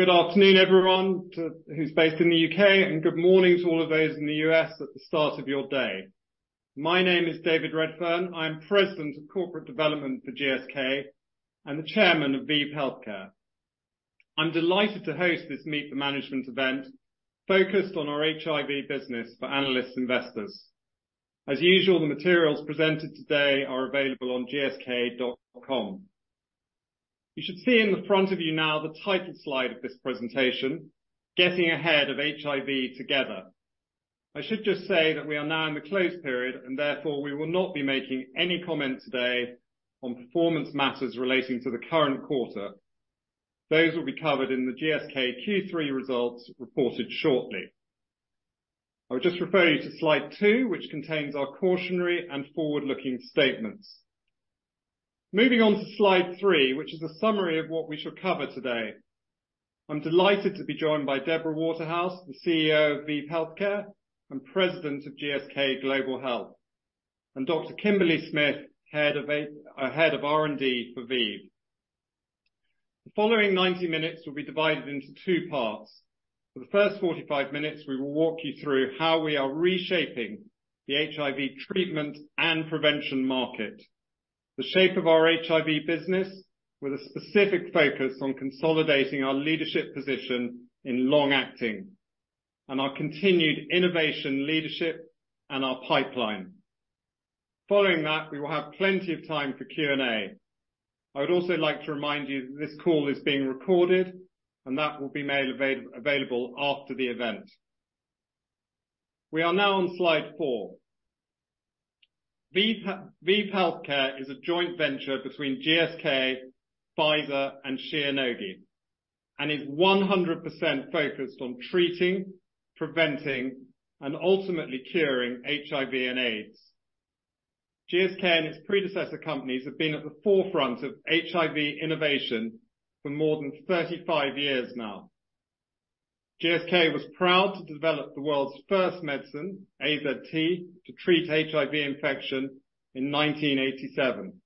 Good afternoon, everyone, to those who's based in the UK, and good morning to all of those in the US at the start of your day. My name is David Redfern. I'm President of Corporate Development for GSK and the Chairman of ViiV Healthcare. I'm delighted to host this Meet the Management event focused on our HIV business for analyst investors. As usual, the materials presented today are available on gsk.com. You should see in front of you now the title slide of this presentation, Getting Ahead of HIV Together. I should just say that we are now in the closed period, and therefore, we will not be making any comment today on performance matters relating to the current quarter. Those will be covered in the GSK Q3 results reported shortly. I would just refer you to slide two, which contains our cautionary and forward-looking statements. Moving on to slide three, which is a summary of what we shall cover today. I'm delighted to be joined by Deborah Waterhouse, the CEO of ViiV Healthcare and President of GSK Global Health, and Dr. Kimberly Smith, Head of R&D for ViiV. The following 90 minutes will be divided into two parts. For the first 45 minutes, we will walk you through how we are reshaping the HIV treatment and prevention market, the shape of our HIV business, with a specific focus on consolidating our leadership position in long-acting, and our continued innovation leadership and our pipeline. Following that, we will have plenty of time for Q&A. I would also like to remind you that this call is being recorded and that will be made available after the event. We are now on slide four. ViiV Healthcare is a joint venture between GSK, Pfizer, and Shionogi, and is 100% focused on treating, preventing, and ultimately curing HIV and AIDS. GSK and its predecessor companies have been at the forefront of HIV innovation for more than 35 years now. GSK was proud to develop the world's first medicine, AZT, to treat HIV infection in 1987,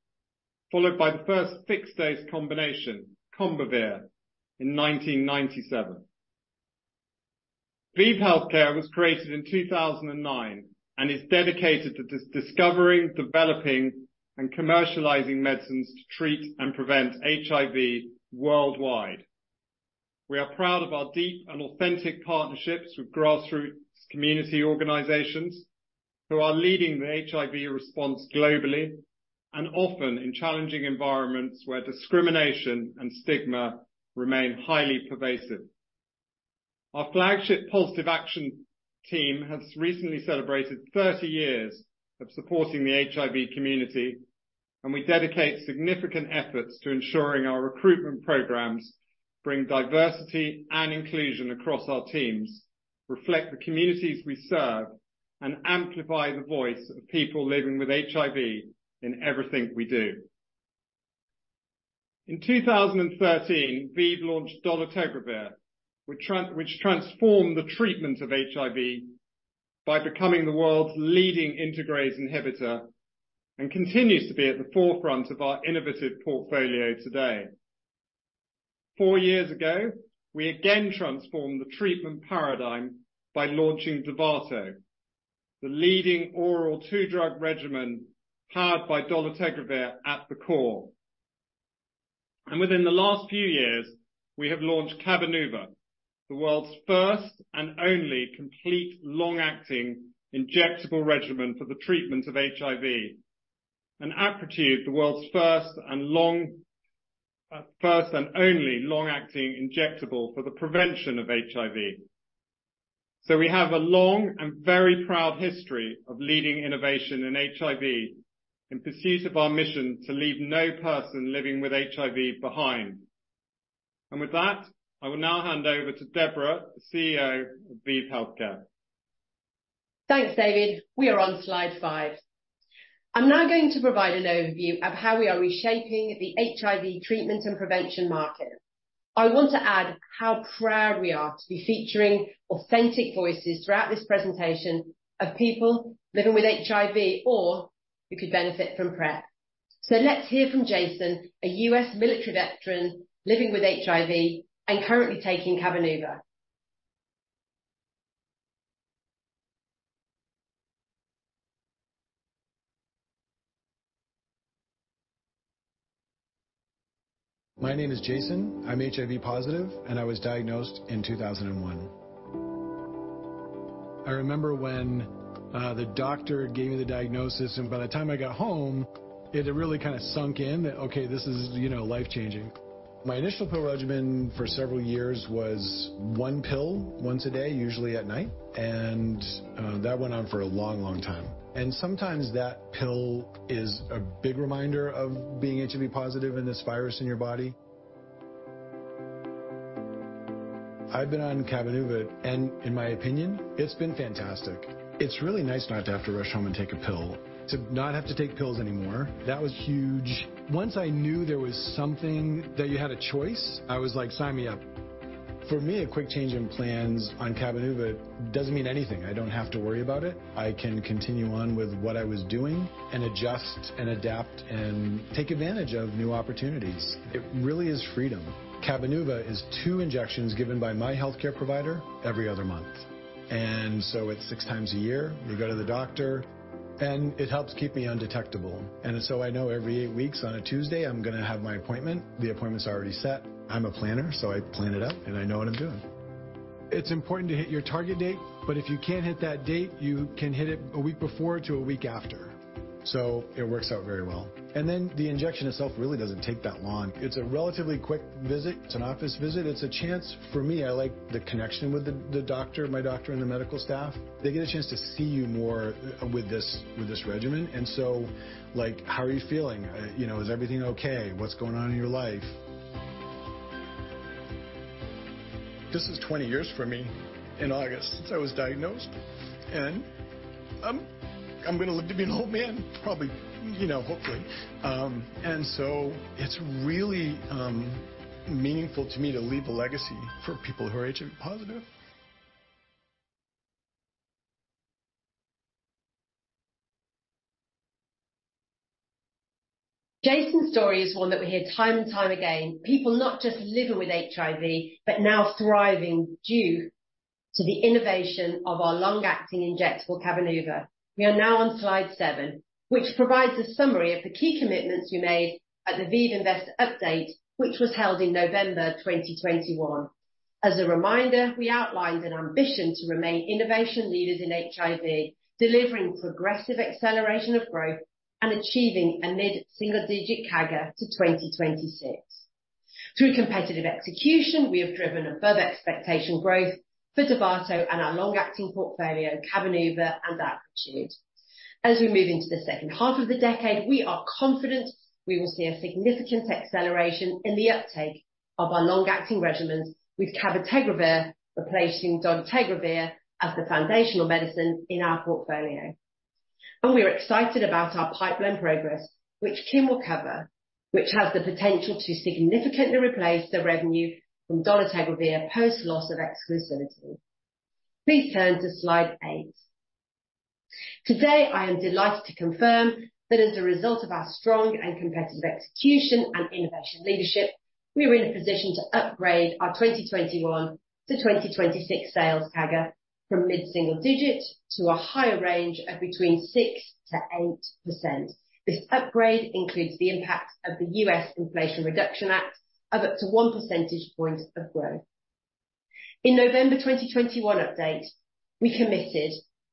followed by the first fixed-dose combination, Combivir, in 1997. ViiV Healthcare was created in 2009 and is dedicated to discovering, developing, and commercializing medicines to treat and prevent HIV worldwide. We are proud of our deep and authentic partnerships with grassroots community organizations who are leading the HIV response globally and often in challenging environments where discrimination and stigma remain highly pervasive. Our flagship Positive Action team has recently celebrated 30 years of supporting the HIV community, and we dedicate significant efforts to ensuring our recruitment programs bring diversity and inclusion across our teams, reflect the communities we serve, and amplify the voice of people living with HIV in everything we do. In 2013, ViiV launched dolutegravir, which transformed the treatment of HIV by becoming the world's leading integrase inhibitor and continues to be at the forefront of our innovative portfolio today. Four years ago, we again transformed the treatment paradigm by launching Dovato, the leading oral two-drug regimen powered by dolutegravir at the core. Within the last few years, we have launched Cabenuva, the world's first and only complete long-acting injectable regimen for the treatment of HIV. Apretude, the world's first and only long-acting injectable for the prevention of HIV. We have a long and very proud history of leading innovation in HIV, in pursuit of our mission to leave no person living with HIV behind. With that, I will now hand over to Deborah, the CEO of ViiV Healthcare. Thanks, David. We are on slide five. I'm now going to provide an overview of how we are reshaping the HIV treatment and prevention market. I want to add how proud we are to be featuring authentic voices throughout this presentation of people living with HIV or who could benefit from PrEP. So let's hear from Jason, a U.S. military veteran living with HIV and currently taking Cabenuva. My name is Jason. I'm HIV positive, and I was diagnosed in 2001. I remember when the doctor gave me the diagnosis, and by the time I got home, it had really kinda sunk in that, okay, this is, you know, life-changing. My initial pill regimen for several years was one pill once a day, usually at night, and that went on for a long, long time. And sometimes that pill is a big reminder of being HIV positive and this virus in your body. I've been on Cabenuva, and in my opinion, it's been fantastic. It's really nice not to have to rush home and take a pill. To not have to take pills anymore, that was huge. Once I knew there was something that you had a choice, I was like, "Sign me up." For me, a quick change in plans on Cabenuva doesn't mean anything. I don't have to worry about it. I can continue on with what I was doing and adjust and adapt and take advantage of new opportunities. It really is freedom. Cabenuva is two injections given by my healthcare provider every other month. So it's six times a year, you go to the doctor, and it helps keep me undetectable. So I know every eight weeks on a Tuesday, I'm gonna have my appointment. The appointment's already set. I'm a planner, so I plan it out, and I know what I'm doing. It's important to hit your target date, but if you can't hit that date, you can hit it a week before to a week after. So it works out very well. Then the injection itself really doesn't take that long. It's a relatively quick visit. It's an office visit. It's a chance for me. I like the connection with the doctor, my doctor, and the medical staff. They get a chance to see you more with this regimen, and so, like, "How are you feeling? You know, is everything okay? What's going on in your life?" This is 20 years for me in August since I was diagnosed, and I'm gonna live to be an old man, probably, you know, hopefully. And so it's really meaningful to me to leave a legacy for people who are HIV-positive. Jason's story is one that we hear time and time again. People not just living with HIV, but now thriving due to the innovation of our long-acting injectable Cabenuva. We are now on slide seven, which provides a summary of the key commitments we made at the ViiV Investor Update, which was held in November 2021. As a reminder, we outlined an ambition to remain innovation leaders in HIV, delivering progressive acceleration of growth and achieving a mid-single-digit CAGR to 2026. Through competitive execution, we have driven above-expectation growth for Dovato and our long-acting portfolio, Cabenuva and Apretude. As we move into the second half of the decade, we are confident we will see a significant acceleration in the uptake of our long-acting regimens, with cabotegravir replacing dolutegravir as the foundational medicine in our portfolio. We are excited about our pipeline progress, which Kim will cover, which has the potential to significantly replace the revenue from dolutegravir post-loss of exclusivity. Please turn to slide eight. Today, I am delighted to confirm that as a result of our strong and competitive execution and innovation leadership, we are in a position to upgrade our 2021-2026 sales CAGR from mid-single digit to a higher range of between 6%-8%. This upgrade includes the impact of the US Inflation Reduction Act of up to one percentage point of growth. In November 2021 update, we committed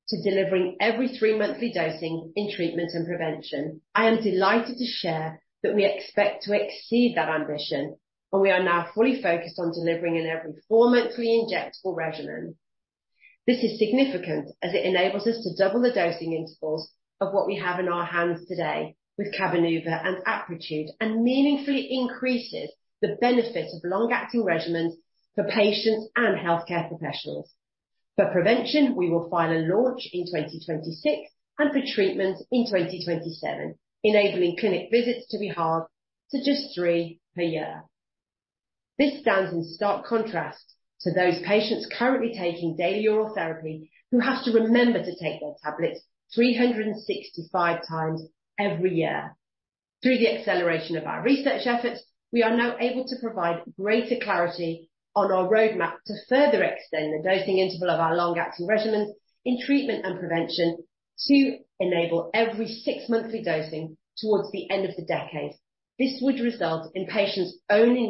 to delivering every 3-monthly dosing in treatment and prevention. I am delighted to share that we expect to exceed that ambition, and we are now fully focused on delivering in every 4-monthly injectable regimen. This is significant as it enables us to double the dosing intervals of what we have in our hands today with Cabenuva and Apretude, and meaningfully increases the benefit of long-acting regimens for patients and healthcare professionals. For prevention, we will file a launch in 2026 and for treatment in 2027, enabling clinic visits to be halved to just three per year. This stands in stark contrast to those patients currently taking daily oral therapy, who have to remember to take their tablets 365 times every year. Through the acceleration of our research efforts, we are now able to provide greater clarity on our roadmap to further extend the dosing interval of our long-acting regimens in treatment and prevention, to enable every six-monthly dosing towards the end of the decade. This would result in patients only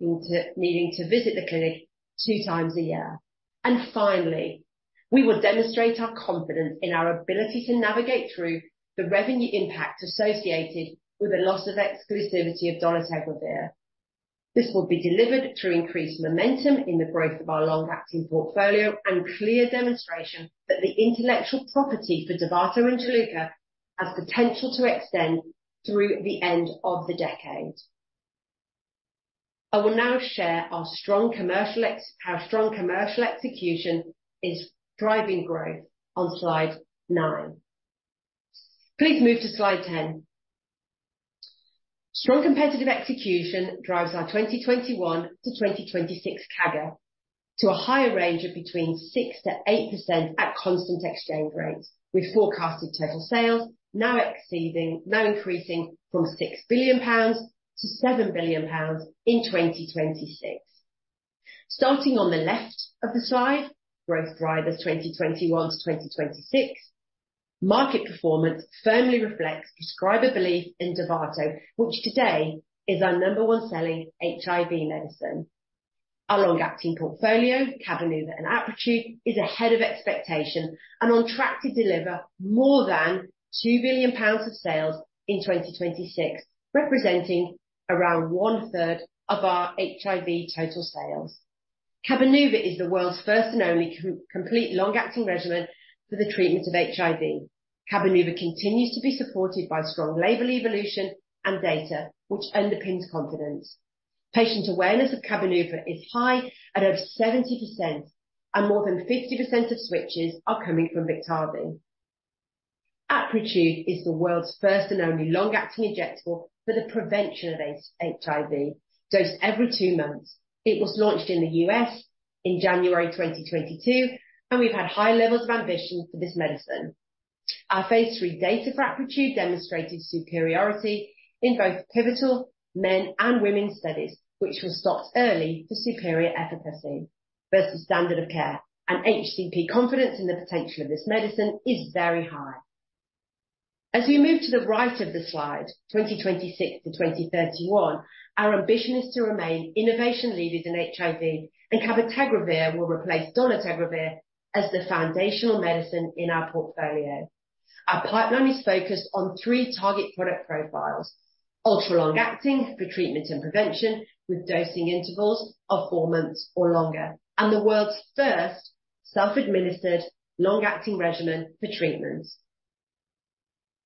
needing to visit the clinic two times a year. And finally, we will demonstrate our confidence in our ability to navigate through the revenue impact associated with the loss of exclusivity of dolutegravir. This will be delivered through increased momentum in the growth of our long-acting portfolio and clear demonstration that the intellectual property for Dovato and Juluca has potential to extend through the end of the decade. I will now share how strong commercial execution is driving growth on slide nine. Please move to slide 10. Strong commercial execution drives our 2021-2026 CAGR to a higher range of between 6%-8% at constant exchange rates, with forecasted total sales now increasing from 6 billion-7 billion pounds in 2026. Starting on the left of the slide, growth drivers 2021 to 2026. Market performance firmly reflects prescriber belief in Dovato, which today is our number one selling HIV medicine. Our long-acting portfolio, Cabenuva and Apretude, is ahead of expectation and on track to deliver more than 2 billion pounds of sales in 2026, representing around one-third of our HIV total sales. Cabenuva is the world's first and only complete long-acting regimen for the treatment of HIV. Cabenuva continues to be supported by strong label evolution and data, which underpins confidence. Patient awareness of Cabenuva is high at over 70%, and more than 50% of switches are coming from Biktarvy. Apretude is the world's first and only long-acting injectable for the prevention of HIV, dosed every 2 months. It was launched in the US in January 2022, and we've had high levels of ambition for this medicine. Our Phase III data for Apretude demonstrated superiority in both pivotal men and women studies, which were stopped early for superior efficacy versus standard of care, and HCP confidence in the potential of this medicine is very high. As we move to the right of the slide, 2026-2031, our ambition is to remain innovation leaders in HIV, and cabotegravir will replace dolutegravir as the foundational medicine in our portfolio. Our pipeline is focused on three target product profiles: ultra-long acting for treatment and prevention, with dosing intervals of four months or longer, and the world's first self-administered long-acting regimen for treatment.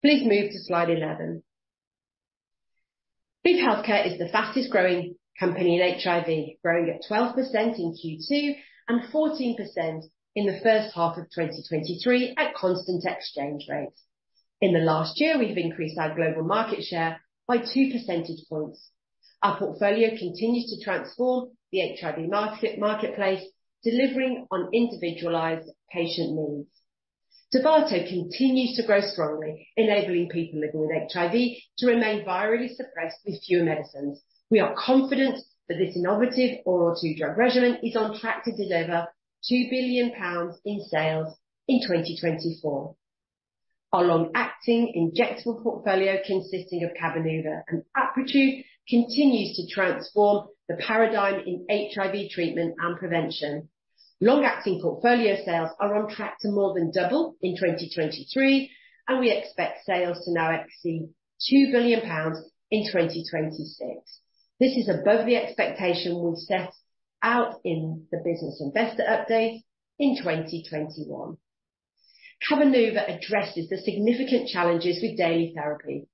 Please move to slide 11. ViiV Healthcare is the fastest-growing company in HIV, growing at 12% in Q2 and 14% in the first half of 2023 at constant exchange rates. In the last year, we've increased our global market share by two percentage points. Our portfolio continues to transform the HIV marketplace, delivering on individualized patient needs. Dovato continues to grow strongly, enabling people living with HIV to remain virally suppressed with fewer medicines. We are confident that this innovative oral two-drug regimen is on track to deliver 2 billion pounds in sales in 2024. Our long-acting injectable portfolio, consisting of Cabenuva and Apretude, continues to transform the paradigm in HIV treatment and prevention. Long-acting portfolio sales are on track to more than double in 2023, and we expect sales to now exceed 2 billion pounds in 2026. This is above the expectation we set out in the business investor update in 2021. Cabenuva addresses the significant challenges with daily therapy: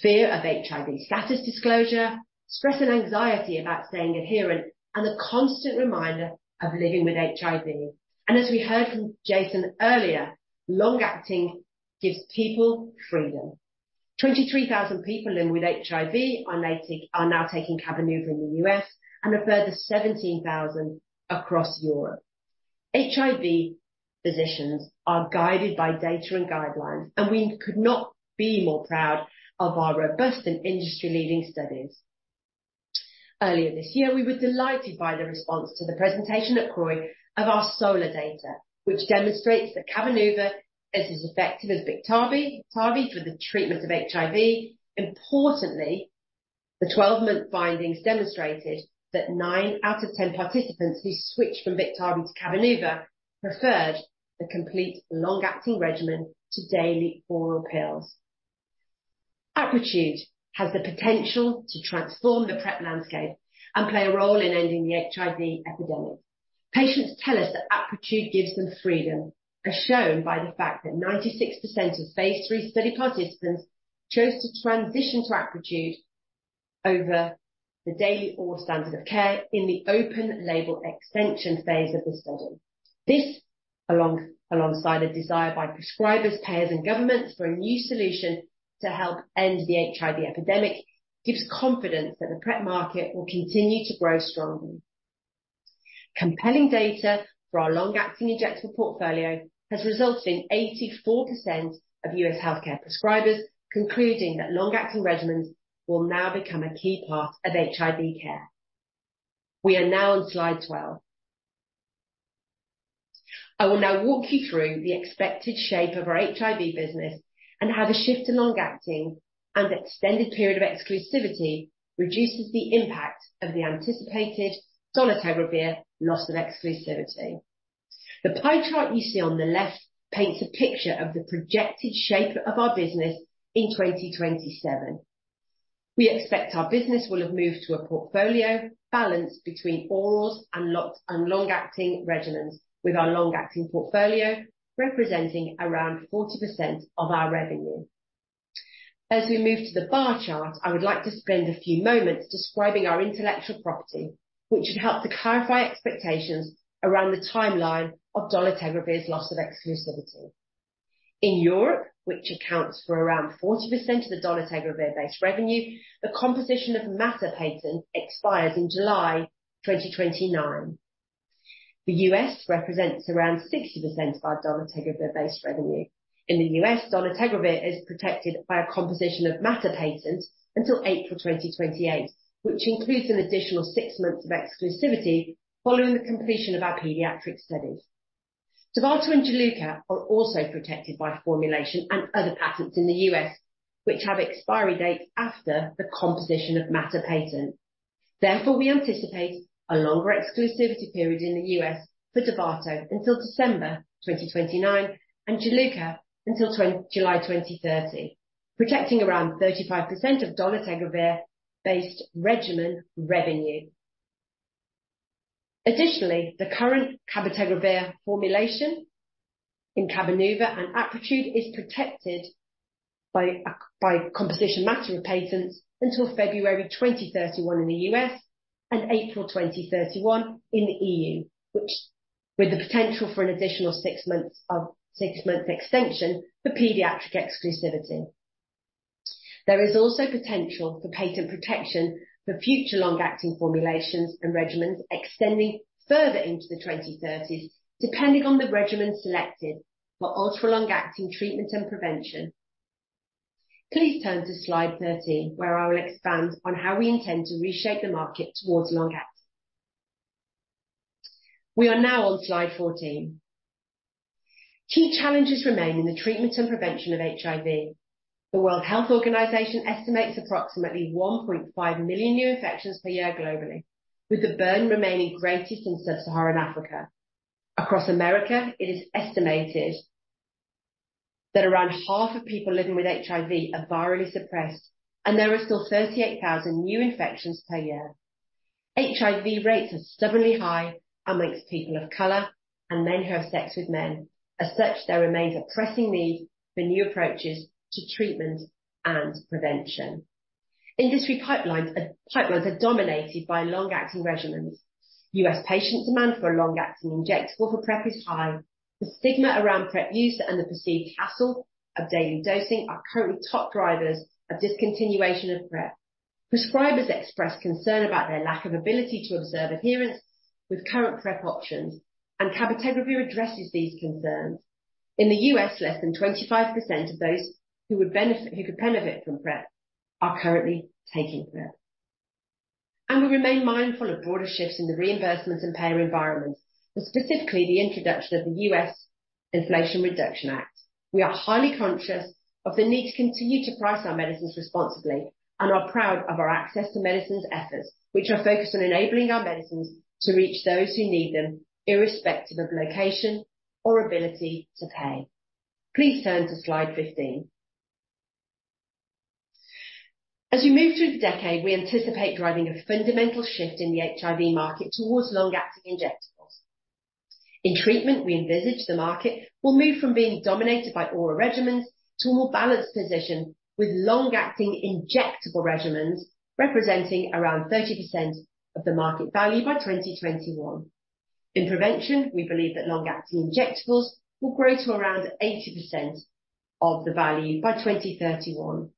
fear of HIV status disclosure, stress and anxiety about staying adherent, and the constant reminder of living with HIV. As we heard from Jason earlier, long-acting gives people freedom. 23,000 people living with HIV are taking, are now taking Cabenuva in the U.S. and a further 17,000 across Europe. HIV physicians are guided by data and guidelines, and we could not be more proud of our robust and industry-leading studies. Earlier this year, we were delighted by the response to the presentation at CROI of our SOLAR data, which demonstrates that Cabenuva is as effective as Biktarvy, Biktarvy for the treatment of HIV. Importantly, the 12-month findings demonstrated that nine out of 10 participants who switched from Biktarvy to Cabenuva preferred the complete long-acting regimen to daily oral pills. Apretude has the potential to transform the PrEP landscape and play a role in ending the HIV epidemic. Patients tell us that Apretude gives them freedom, as shown by the fact that 96% of phase III study participants chose to transition to Apretude over the daily oral standard of care in the open label extension phase of the study. This, alongside a desire by prescribers, payers, and governments for a new solution to help end the HIV epidemic, gives confidence that the PrEP market will continue to grow strongly. Compelling data for our long-acting injectable portfolio has resulted in 84% of US healthcare prescribers concluding that long-acting regimens will now become a key part of HIV care. We are now on slide 12. I will now walk you through the expected shape of our HIV business and how the shift to long-acting and extended period of exclusivity reduces the impact of the anticipated dolutegravir loss of exclusivity. The pie chart you see on the left paints a picture of the projected shape of our business in 2027. We expect our business will have moved to a portfolio balanced between orals and long-acting regimens, with our long-acting portfolio representing around 40% of our revenue. As we move to the bar chart, I would like to spend a few moments describing our intellectual property, which should help to clarify expectations around the timeline of dolutegravir's loss of exclusivity. In Europe, which accounts for around 40% of the dolutegravir-based revenue, the composition of matter patent expires in July 2029. The U.S. represents around 60% of our dolutegravir-based revenue. In the U.S., dolutegravir is protected by a composition of matter patent until April 2028, which includes an additional six months of exclusivity following the completion of our pediatric studies. Dovato and Juluca are also protected by formulation and other patents in the U.S., which have expiry dates after the composition of matter patent. Therefore, we anticipate a longer exclusivity period in the U.S. for Dovato until December 2029 and Juluca until July 2030, protecting around 35% of dolutegravir-based regimen revenue. Additionally, the current cabotegravir formulation in Cabenuva and Apretude is protected by composition of matter patents until February 2031 in the U.S. and April 2031 in the E.U., which with the potential for an additional six months of six months extension for pediatric exclusivity. There is also potential for patent protection for future long-acting formulations and regimens extending further into the 2030s, depending on the regimen selected for ultra-long-acting treatment and prevention. Please turn to Slide 13, where I will expand on how we intend to reshape the market towards long-acting. We are now on Slide 14. Key challenges remain in the treatment and prevention of HIV. The World Health Organization estimates approximately 1.5 million new infections per year globally, with the burden remaining greatest in Sub-Saharan Africa. Across America, it is estimated that around half of people living with HIV are virally suppressed, and there are still 38,000 new infections per year. HIV rates are stubbornly high among people of color and men who have sex with men. As such, there remains a pressing need for new approaches to treatment and prevention. Industry pipelines are dominated by long-acting regimens. U.S. patient demand for a long-acting injectable for PrEP is high. The stigma around PrEP use and the perceived hassle of daily dosing are currently top drivers of discontinuation of PrEP. Prescribers express concern about their lack of ability to observe adherence with current PrEP options, and cabotegravir addresses these concerns. In the U.S., less than 25% of those who would benefit- who could benefit from PrEP are currently taking PrEP. We remain mindful of broader shifts in the reimbursement and payer environment, and specifically, the introduction of the U.S. Inflation Reduction Act. We are highly conscious of the need to continue to price our medicines responsibly, and are proud of our access to medicines efforts, which are focused on enabling our medicines to reach those who need them, irrespective of location or ability to pay. Please turn to Slide 15. As we move through the decade, we anticipate driving a fundamental shift in the HIV market towards long-acting injectables. In treatment, we envisage the market will move from being dominated by oral regimens to a more balanced position, with long-acting injectable regimens representing around 30% of the market value by 2021. In prevention, we believe that long-acting injectables will grow to around 80% of the value by 2031.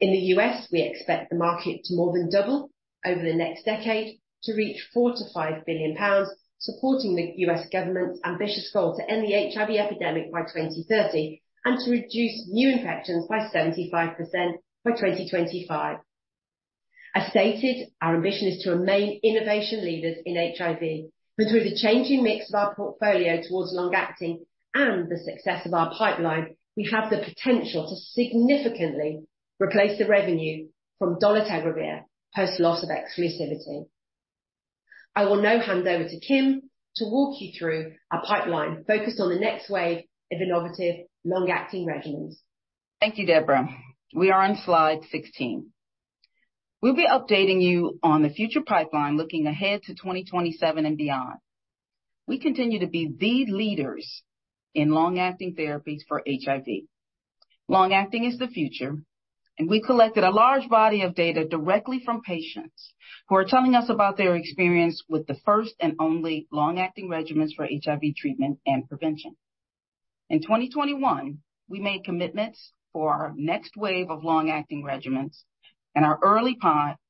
In the US, we expect the market to more than double over the next decade to reach 4 billion-5 billion pounds, supporting the US government's ambitious goal to end the HIV epidemic by 2030, and to reduce new infections by 75% by 2025. As stated, our ambition is to remain innovation leaders in HIV, and through the changing mix of our portfolio towards long-acting and the success of our pipeline, we have the potential to significantly replace the revenue from dolutegravir post-loss of exclusivity. I will now hand over to Kim to walk you through our pipeline focused on the next wave of innovative, long-acting regimens. Thank you, Deborah. We are on slide 16. We'll be updating you on the future pipeline, looking ahead to 2027 and beyond. We continue to be the leaders in long-acting therapies for HIV. Long-acting is the future, and we collected a large body of data directly from patients who are telling us about their experience with the first and only long-acting regimens for HIV treatment and prevention. In 2021, we made commitments for our next wave of long-acting regimens, and our early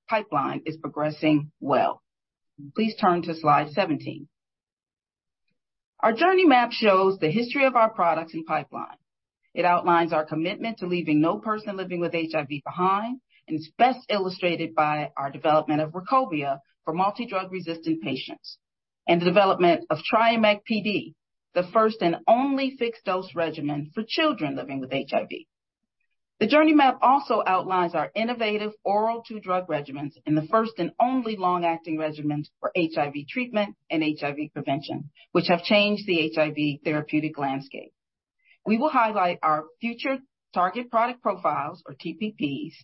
pipeline is progressing well. Please turn to Slide 17. Our journey map shows the history of our products and pipeline. It outlines our commitment to leaving no person living with HIV behind, and is best illustrated by our development of Rukobia for multi-drug-resistant patients and the development of Triumeq PD, the first and only fixed-dose regimen for children living with HIV. The journey map also outlines our innovative oral two-drug regimens and the first and only long-acting regimens for HIV treatment and HIV prevention, which have changed the HIV therapeutic landscape. We will highlight our future target product profiles or TPPs,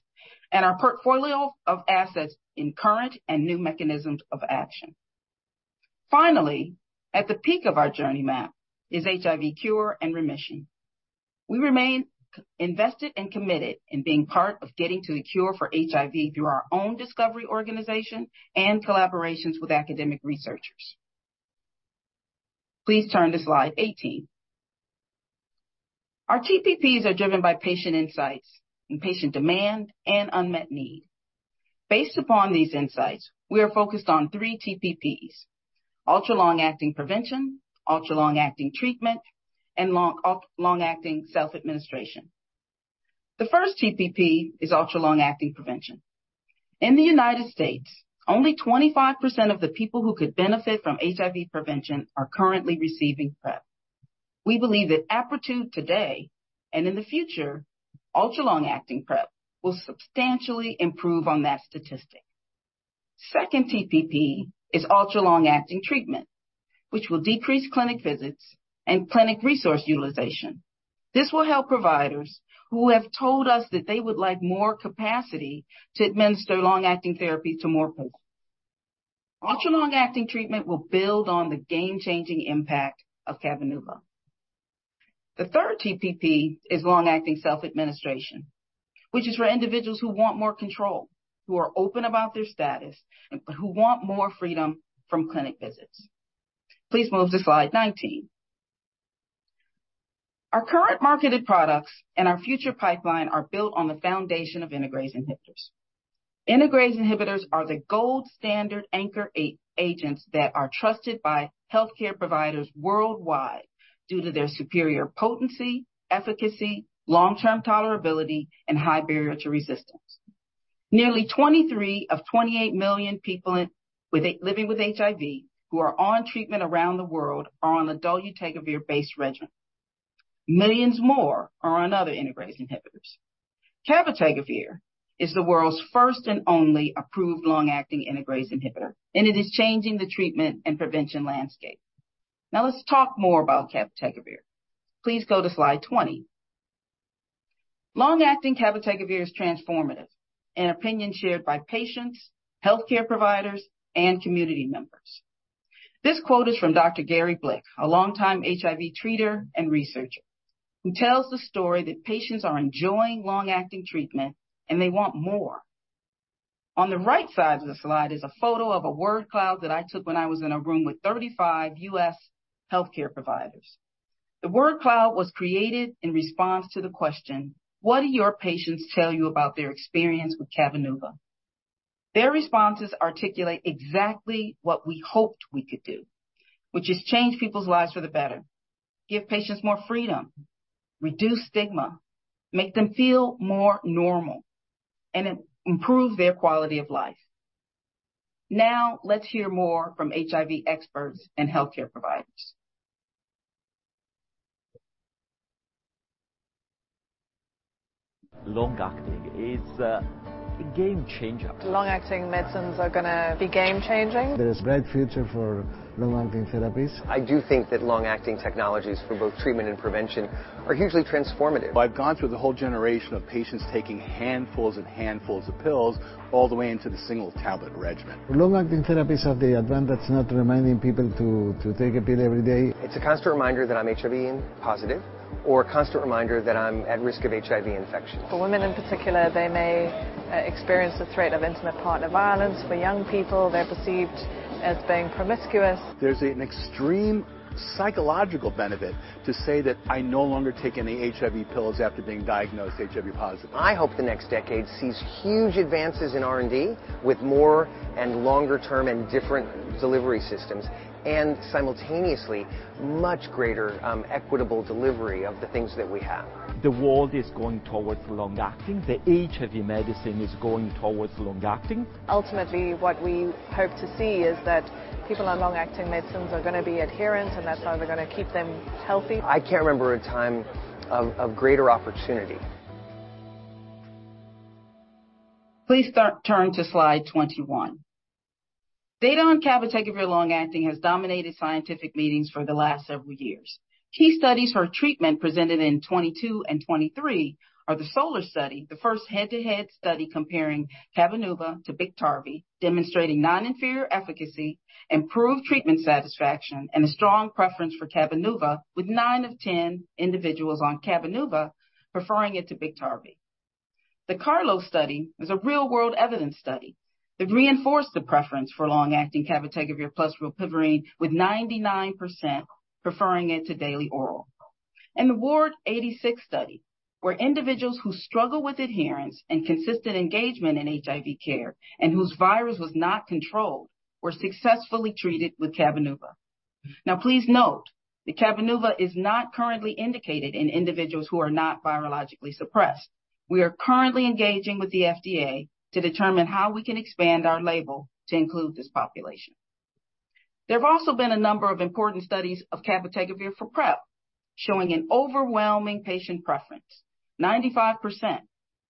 and our portfolio of assets in current and new mechanisms of action. Finally, at the peak of our journey map is HIV cure and remission. We remain invested and committed in being part of getting to the cure for HIV through our own discovery, organization, and collaborations with academic researchers. Please turn to Slide 18. Our TPPs are driven by patient insights and patient demand and unmet need. Based upon these insights, we are focused on three TPPs: ultra-long-acting prevention, ultra-long-acting treatment, and long, long-acting self-administration. The first TPP is ultra-long-acting prevention. In the United States, only 25% of the people who could benefit from HIV prevention are currently receiving PrEP. We believe that Apretude today, and in the future, ultra-long-acting PrEP, will substantially improve on that statistic. Second TPP is ultra-long-acting treatment, which will decrease clinic visits and clinic resource utilization. This will help providers who have told us that they would like more capacity to administer long-acting therapy to more people. Ultra-long-acting treatment will build on the game-changing impact of Cabenuva. The third TPP is long-acting self-administration, which is for individuals who want more control, who are open about their status, and who want more freedom from clinic visits. Please move to slide 19. Our current marketed products and our future pipeline are built on the foundation of integrase inhibitors. Integrase inhibitors are the gold standard anchor agents that are trusted by healthcare providers worldwide due to their superior potency, efficacy, long-term tolerability, and high barrier to resistance. Nearly 23 of 28 million people living with HIV who are on treatment around the world are on a dolutegravir-based regimen. Millions more are on other integrase inhibitors. Cabotegravir is the world's first and only approved long-acting integrase inhibitor, and it is changing the treatment and prevention landscape. Now let's talk more about cabotegravir. Please go to slide 20. Long-acting cabotegravir is transformative, an opinion shared by patients, healthcare providers, and community members. This quote is from Dr. Gary Blick, a longtime HIV treater and researcher, who tells the story that patients are enjoying long-acting treatment, and they want more. On the right side of the slide is a photo of a word cloud that I took when I was in a room with 35 U.S. healthcare providers. The word cloud was created in response to the question: What do your patients tell you about their experience with Cabenuva? Their responses articulate exactly what we hoped we could do, which is change people's lives for the better, give patients more freedom, reduce stigma, make them feel more normal, and improve their quality of life. Now, let's hear more from HIV experts and healthcare providers. Long-acting is a game changer. Long-acting medicines are gonna be game changing. There is great future for long acting therapies. I do think that long-acting technologies for both treatment and prevention are hugely transformative. I've gone through the whole generation of patients taking handfuls and handfuls of pills, all the way into the single tablet regimen. Long-acting therapies have the advantage of not reminding people to take a pill every day. It's a constant reminder that I'm HIV positive, or a constant reminder that I'm at risk of HIV infection. For women in particular, they may experience the threat of intimate partner violence. For young people, they're perceived as being promiscuous. There's an extreme psychological benefit to say that I no longer take any HIV pills after being diagnosed HIV positive. I hope the next decade sees huge advances in R&D, with more and longer-term and different delivery systems, and simultaneously, much greater, equitable delivery of the things that we have. The world is going towards long-acting. The HIV medicine is going towards long-acting. Ultimately, what we hope to see is that people on long-acting medicines are gonna be adherent, and that's how we're gonna keep them healthy. I can't remember a time of greater opportunity. Please start- turn to slide 21. Data on cabotegravir long-acting has dominated scientific meetings for the last several years. Key studies for treatment presented in 2022 and 2023 are the SOLAR study, the first head-to-head study comparing Cabenuva to Biktarvy, demonstrating non-inferior efficacy, improved treatment satisfaction, and a strong preference for Cabenuva, with nine out of 10 individuals on Cabenuva preferring it to Biktarvy. The CARLOS study is a real-world evidence study that reinforced the preference for long-acting cabotegravir plus rilpivirine, with 99% preferring it to daily oral. And the Ward 86 study, where individuals who struggle with adherence and consistent engagement in HIV care and whose virus was not controlled, were successfully treated with Cabenuva. Now, please note that Cabenuva is not currently indicated in individuals who are not virologically suppressed. We are currently engaging with the FDA to determine how we can expand our label to include this population. There have also been a number of important studies of cabotegravir for PrEP, showing an overwhelming patient preference, 95%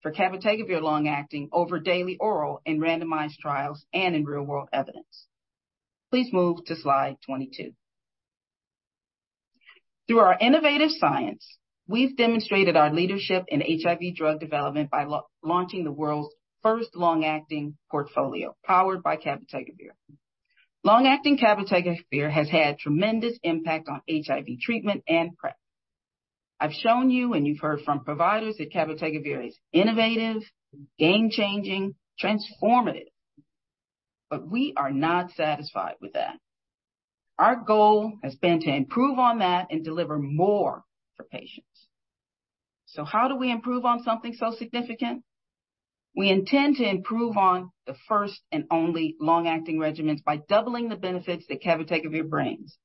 for cabotegravir long-acting over daily oral in randomized trials and in real-world evidence. Please move to slide 22. Through our innovative science, we've demonstrated our leadership in HIV drug development by launching the world's first long-acting portfolio, powered by cabotegravir. Long-acting cabotegravir has had tremendous impact on HIV treatment and PrEP. I've shown you, and you've heard from providers, that cabotegravir is innovative, game-changing, transformative, but we are not satisfied with that. Our goal has been to improve on that and deliver more for patients. So how do we improve on something so significant? We intend to improve on the first and only long-acting regimens by doubling the benefits that cabotegravir brings,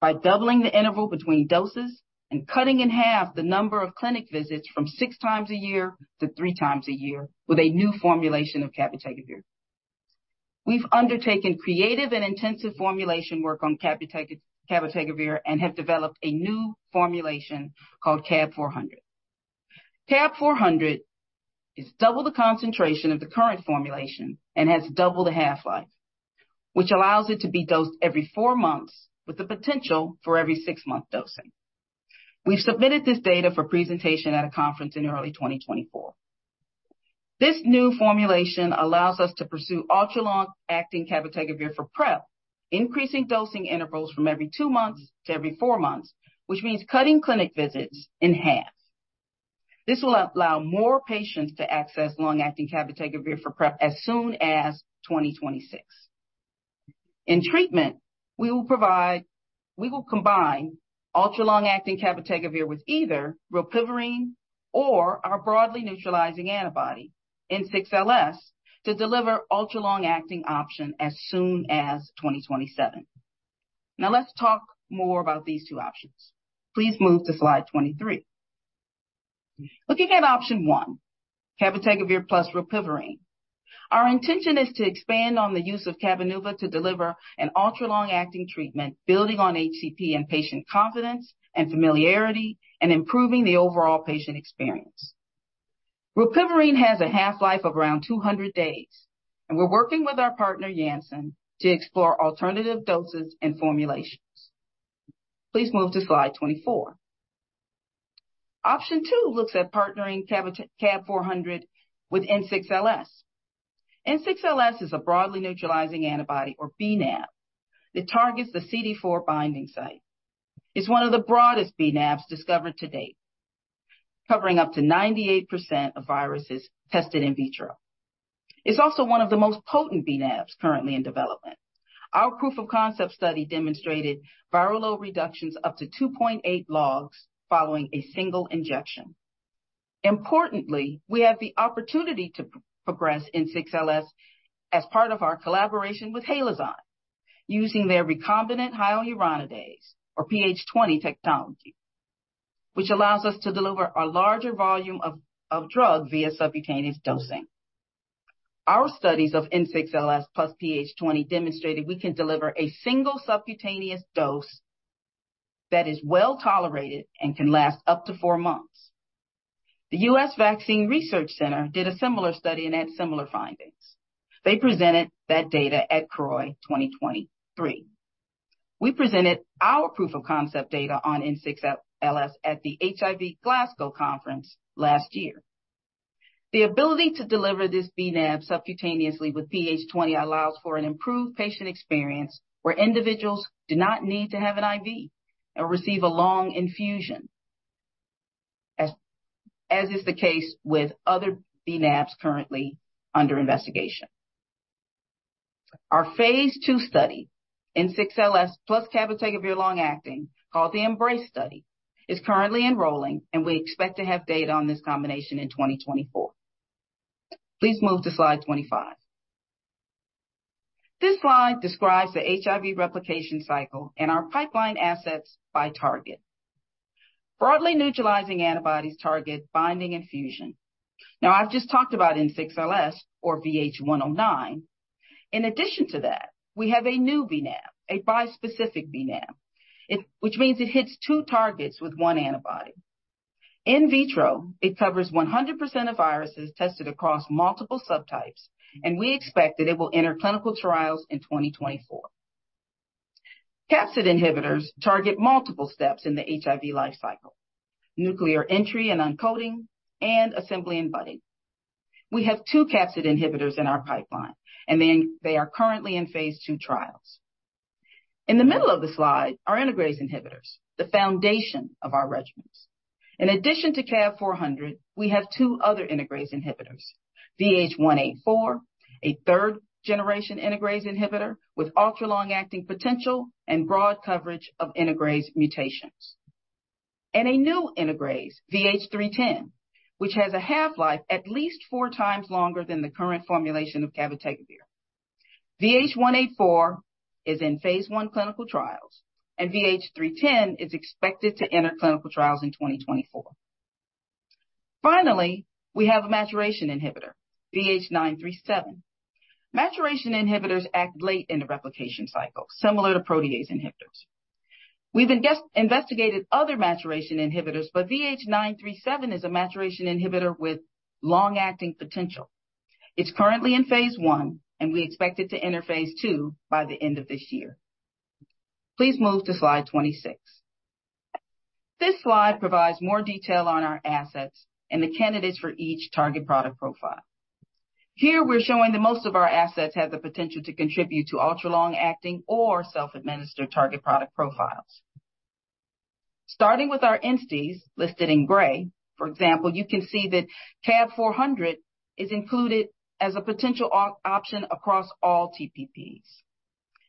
by doubling the interval between doses, and cutting in half the number of clinic visits from six times a year to three times a year, with a new formulation of cabotegravir. We've undertaken creative and intensive formulation work on cabotegravir and have developed a new formulation called CAB 400. CAB 400 is double the concentration of the current formulation and has double the half-life, which allows it to be dosed every 4 months, with the potential for every 6-month dosing. We've submitted this data for presentation at a conference in early 2024. This new formulation allows us to pursue ultra-long-acting cabotegravir for PrEP, increasing dosing intervals from every 2 months to every 4 months, which means cutting clinic visits in half. This will allow more patients to access long-acting cabotegravir for PrEP as soon as 2026. In treatment, we will provide, we will combine ultra-long-acting cabotegravir with either rilpivirine or our broadly neutralizing antibody, N6LS, to deliver ultra-long-acting option as soon as 2027. Now, let's talk more about these two options. Please move to slide 23. Looking at option one, cabotegravir plus rilpivirine. Our intention is to expand on the use of Cabenuva to deliver an ultra-long-acting treatment, building on HCP and patient confidence and familiarity, and improving the overall patient experience. Rilpivirine has a half-life of around 200 days, and we're working with our partner, Janssen, to explore alternative doses and formulations. Please move to slide 24. Option two looks at partnering CAB 400 with N6LS. N6LS is a broadly neutralizing antibody, or bNAb. It targets the CD4 binding site. It's one of the broadest bNAbs discovered to date, covering up to 98% of viruses tested in vitro. It's also one of the most potent bNAbs currently in development. Our proof of concept study demonstrated viral load reductions up to 2.8 logs following a single injection. Importantly, we have the opportunity to progress N6LS as part of our collaboration with Halozyme, using their recombinant hyaluronidase, or PH20 technology, which allows us to deliver a larger volume of drug via subcutaneous dosing. Our studies of N6LS plus PH20 demonstrated we can deliver a single subcutaneous dose that is well-tolerated and can last up to four months. The US Vaccine Research Center did a similar study and had similar findings. They presented that data at CROI 2023. We presented our proof of concept data on N6LS at the HIV Glasgow Conference last year. The ability to deliver this bNAb subcutaneously with PH20 allows for an improved patient experience, where individuals do not need to have an IV or receive a long infusion, as is the case with other bNAbs currently under investigation. Our phase two study, N6LS plus cabotegravir long-acting, called the EMBRACE study, is currently enrolling, and we expect to have data on this combination in 2024. Please move to slide 25. This slide describes the HIV replication cycle and our pipeline assets by target. Broadly neutralizing antibodies target binding and fusion. Now, I've just talked about N6LS or VH109. In addition to that, we have a new bNAb, a bispecific bNAb, which means it hits two targets with one antibody. In vitro, it covers 100% of viruses tested across multiple subtypes, and we expect that it will enter clinical trials in 2024. Capsid inhibitors target multiple steps in the HIV life cycle, nuclear entry and uncoating, and assembly and budding. We have two capsid inhibitors in our pipeline, and then they are currently in phase two trials. In the middle of the slide, are integrase inhibitors, the foundation of our regimens. In addition to CAB 400, we have two other integrase inhibitors: VH184, a third-generation integrase inhibitor with ultra-long-acting potential and broad coverage of integrase mutations. And a new integrase, VH310, which has a half-life at least four times longer than the current formulation of cabotegravir. VH184 is in phase 1 clinical trials, and VH310 is expected to enter clinical trials in 2024. Finally, we have a maturation inhibitor, VH937. Maturation inhibitors act late in the replication cycle, similar to protease inhibitors. We've investigated other maturation inhibitors, but VH937 is a maturation inhibitor with long-acting potential. It's currently in phase one, and we expect it to enter phase two by the end of this year. Please move to slide 26. This slide provides more detail on our assets and the candidates for each target product profile. Here, we're showing that most of our assets have the potential to contribute to ultra-long-acting or self-administered target product profiles. Starting with our entities listed in gray, for example, you can see that CAB 400 is included as a potential option across all TPPs.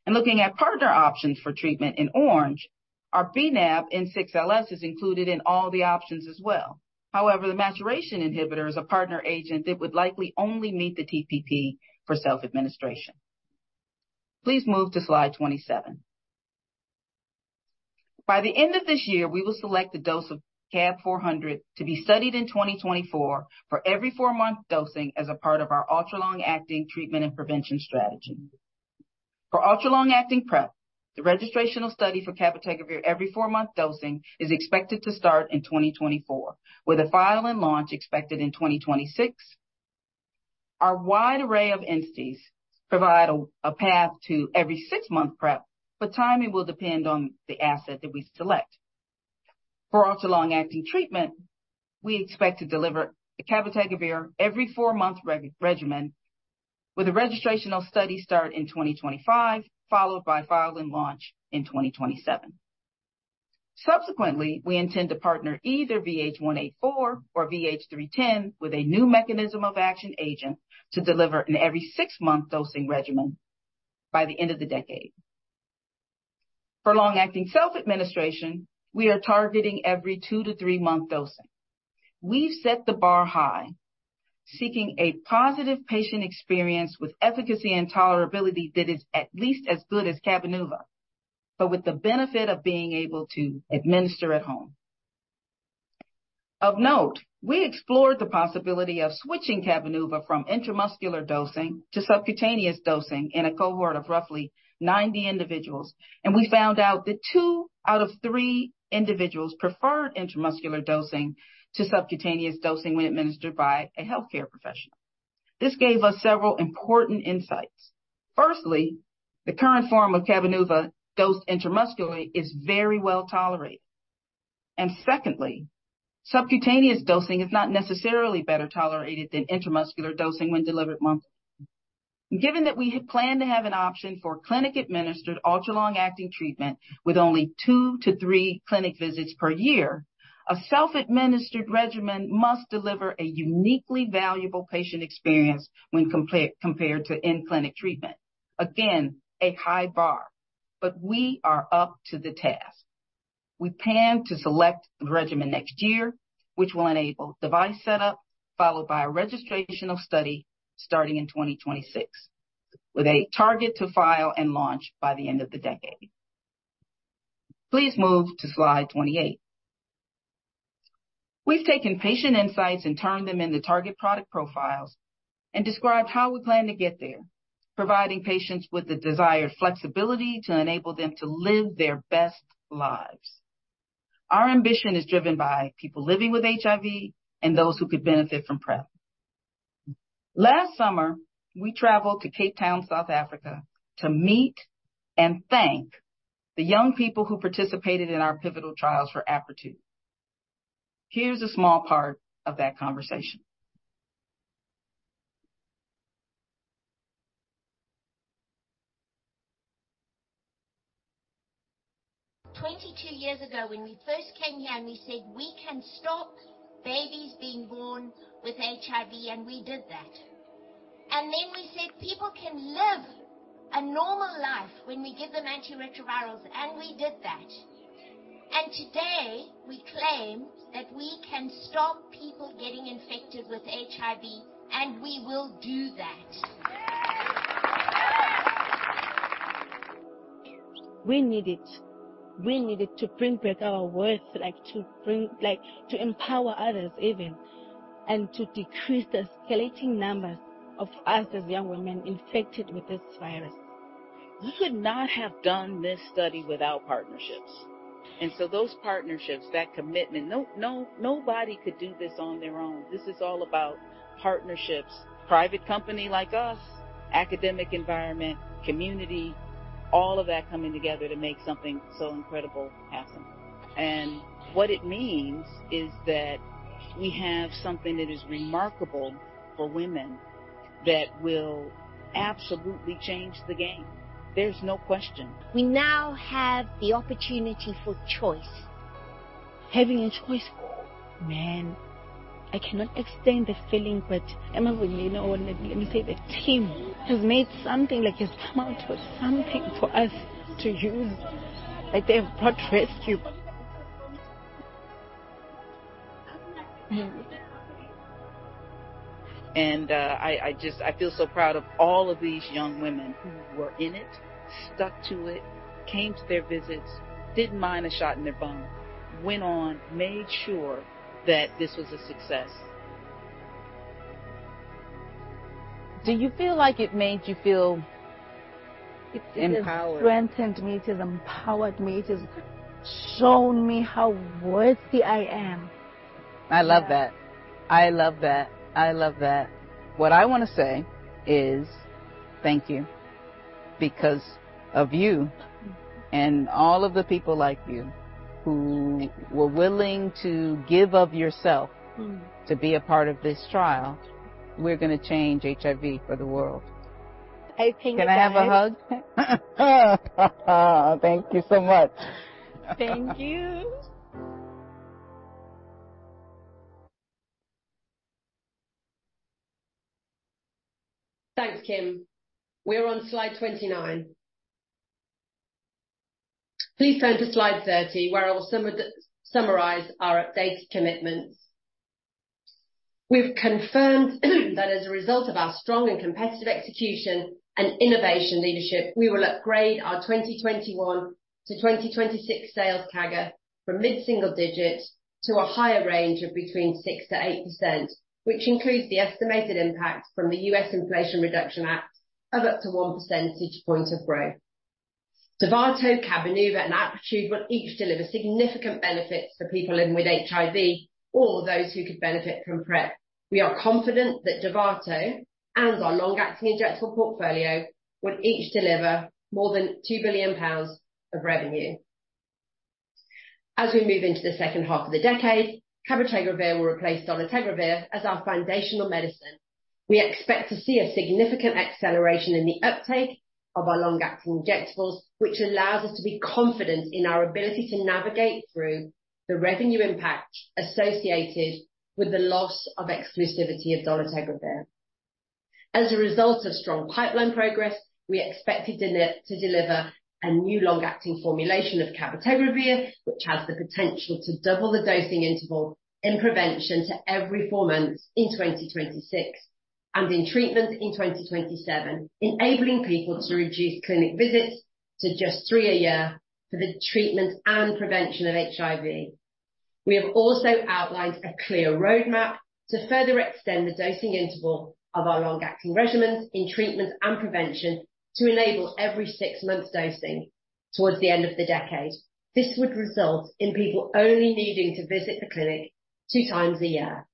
Looking at partner options for treatment in orange, our bNAb, N6LS, is included in all the options as well. However, the maturation inhibitor is a partner agent that would likely only meet the TPP for self-administration. Please move to slide 27. By the end of this year, we will select the dose of CAB 400 to be studied in 2024 for every four-month dosing as a part of our ultra-long-acting treatment and prevention strategy. For ultra-long-acting PrEP, the registrational study for cabotegravir every four-month dosing is expected to start in 2024, with a file and launch expected in 2026. Our wide array of entities provide a path to every six-month PrEP, but timing will depend on the asset that we select. For ultra-long-acting treatment, we expect to deliver the cabotegravir every four-month regimen, with a registrational study start in 2025, followed by file and launch in 2027.... Subsequently, we intend to partner either VH184 or VH310 with a new mechanism of action agent to deliver an every six month dosing regimen by the end of the decade. For long-acting self-administration, we are targeting every 2- 3-month dosing. We've set the bar high, seeking a positive patient experience with efficacy and tolerability that is at least as good as Cabenuva, but with the benefit of being able to administer at home. Of note, we explored the possibility of switching Cabenuva from intramuscular dosing to subcutaneous dosing in a cohort of roughly 90 individuals, and we found out the two out of three individuals preferred intramuscular dosing to subcutaneous dosing when administered by a healthcare professional. This gave us several important insights. Firstly, the current form of Cabenuva dosed intramuscularly is very well tolerated. And secondly, subcutaneous dosing is not necessarily better tolerated than intramuscular dosing when delivered monthly. Given that we plan to have an option for clinic-administered, ultra-long-acting treatment with only two to three clinic visits per year, a self-administered regimen must deliver a uniquely valuable patient experience when compared to in-clinic treatment. Again, a high bar, but we are up to the task. We plan to select the regimen next year, which will enable device setup, followed by a registrational study starting in 2026, with a target to file and launch by the end of the decade. Please move to slide 28. We've taken patient insights and turned them into target product profiles and described how we plan to get there, providing patients with the desired flexibility to enable them to live their best lives. Our ambition is driven by people living with HIV and those who could benefit from PrEP. Last summer, we traveled to Cape Town, South Africa, to meet and thank the young people who participated in our pivotal trials for Apretude. Here's a small part of that conversation. 22 years ago, when we first came here, and we said, "We can stop babies being born with HIV," and we did that. And then we said, "People can live a normal life when we give them antiretrovirals," and we did that. And today, we claim that we can stop people getting infected with HIV, and we will do that. We need it. We need it to bring back our worth, like, to bring... like, to empower others even, and to decrease the escalating numbers of us as young women infected with this virus. We could not have done this study without partnerships. So those partnerships, that commitment, no, nobody could do this on their own. This is all about partnerships, private company like us, academic environment, community, all of that coming together to make something so incredible happen. What it means is that we have something that is remarkable for women that will absolutely change the game. There's no question. We now have the opportunity for choice. Having a choice, oh, man, I cannot explain the feeling, but Emma and Lena, or let me, let me say the team, has made something, like, has come out with something for us to use. Like, they have brought rescue. And, I just, I feel so proud of all of these young women who were in it, stuck to it, came to their visits, didn't mind a shot in their bum, went on, made sure that this was a success. Do you feel like it made you feel empowered? It has strengthened me, it has empowered me, it has shown me how worthy I am. I love that. I love that. I love that. What I want to say is, thank you. Because of you and all of the people like you, who were willing to give of yourself- Mm. To be a part of this trial, we're gonna change HIV for the world. I think that- Can I have a hug? Thank you so much. Thank you. Thanks, Kim. We're on slide 29. Please turn to slide 30, where I will summarize our updated commitments. We've confirmed that as a result of our strong and competitive execution and innovation leadership, we will upgrade our 2021-2026 sales CAGR from mid-single digits to a higher range of between 6%-8%, which includes the estimated impact from the U.S. Inflation Reduction Act of up to one percentage point of growth. Dovato, Cabenuva, and Apretude will each deliver significant benefits for people living with HIV or those who could benefit from PrEP. We are confident that Dovato and our long-acting injectable portfolio will each deliver more than 2 billion pounds of revenue. As we move into the second half of the decade, cabotegravir will replace dolutegravir as our foundational medicine. We expect to see a significant acceleration in the uptake of our long-acting injectables, which allows us to be confident in our ability to navigate through the revenue impact associated with the loss of exclusivity of dolutegravir. As a result of strong pipeline progress, we expect it to deliver a new long-acting formulation of cabotegravir, which has the potential to double the dosing interval in prevention to every four months in 2026, and in treatment in 2027, enabling people to reduce clinic visits to just three a year for the treatment and prevention of HIV. We have also outlined a clear roadmap to further extend the dosing interval of our long-acting regimens in treatment and prevention to enable every six-month dosing towards the end of the decade. This would result in people only needing to visit the clinic two times a year.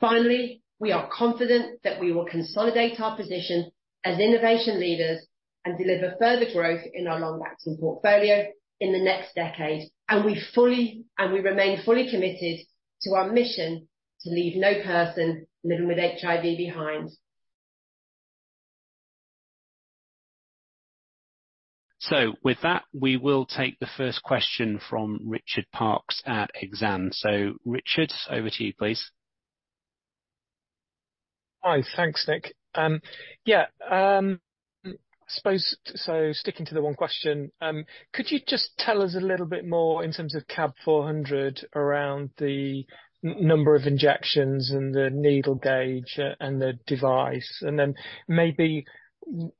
Finally, we are confident that we will consolidate our position as innovation leaders and deliver further growth in our long-acting portfolio in the next decade, and we remain fully committed to our mission to leave no person living with HIV behind. So, with that, we will take the first question from Richard Parkes at Exane. So, Richard, over to you, please. Hi. Thanks, Nick. Yeah, I suppose, so sticking to the one question, could you just tell us a little bit more in terms of CAB 400, around the n-number of injections and the needle gauge, and the device, and then maybe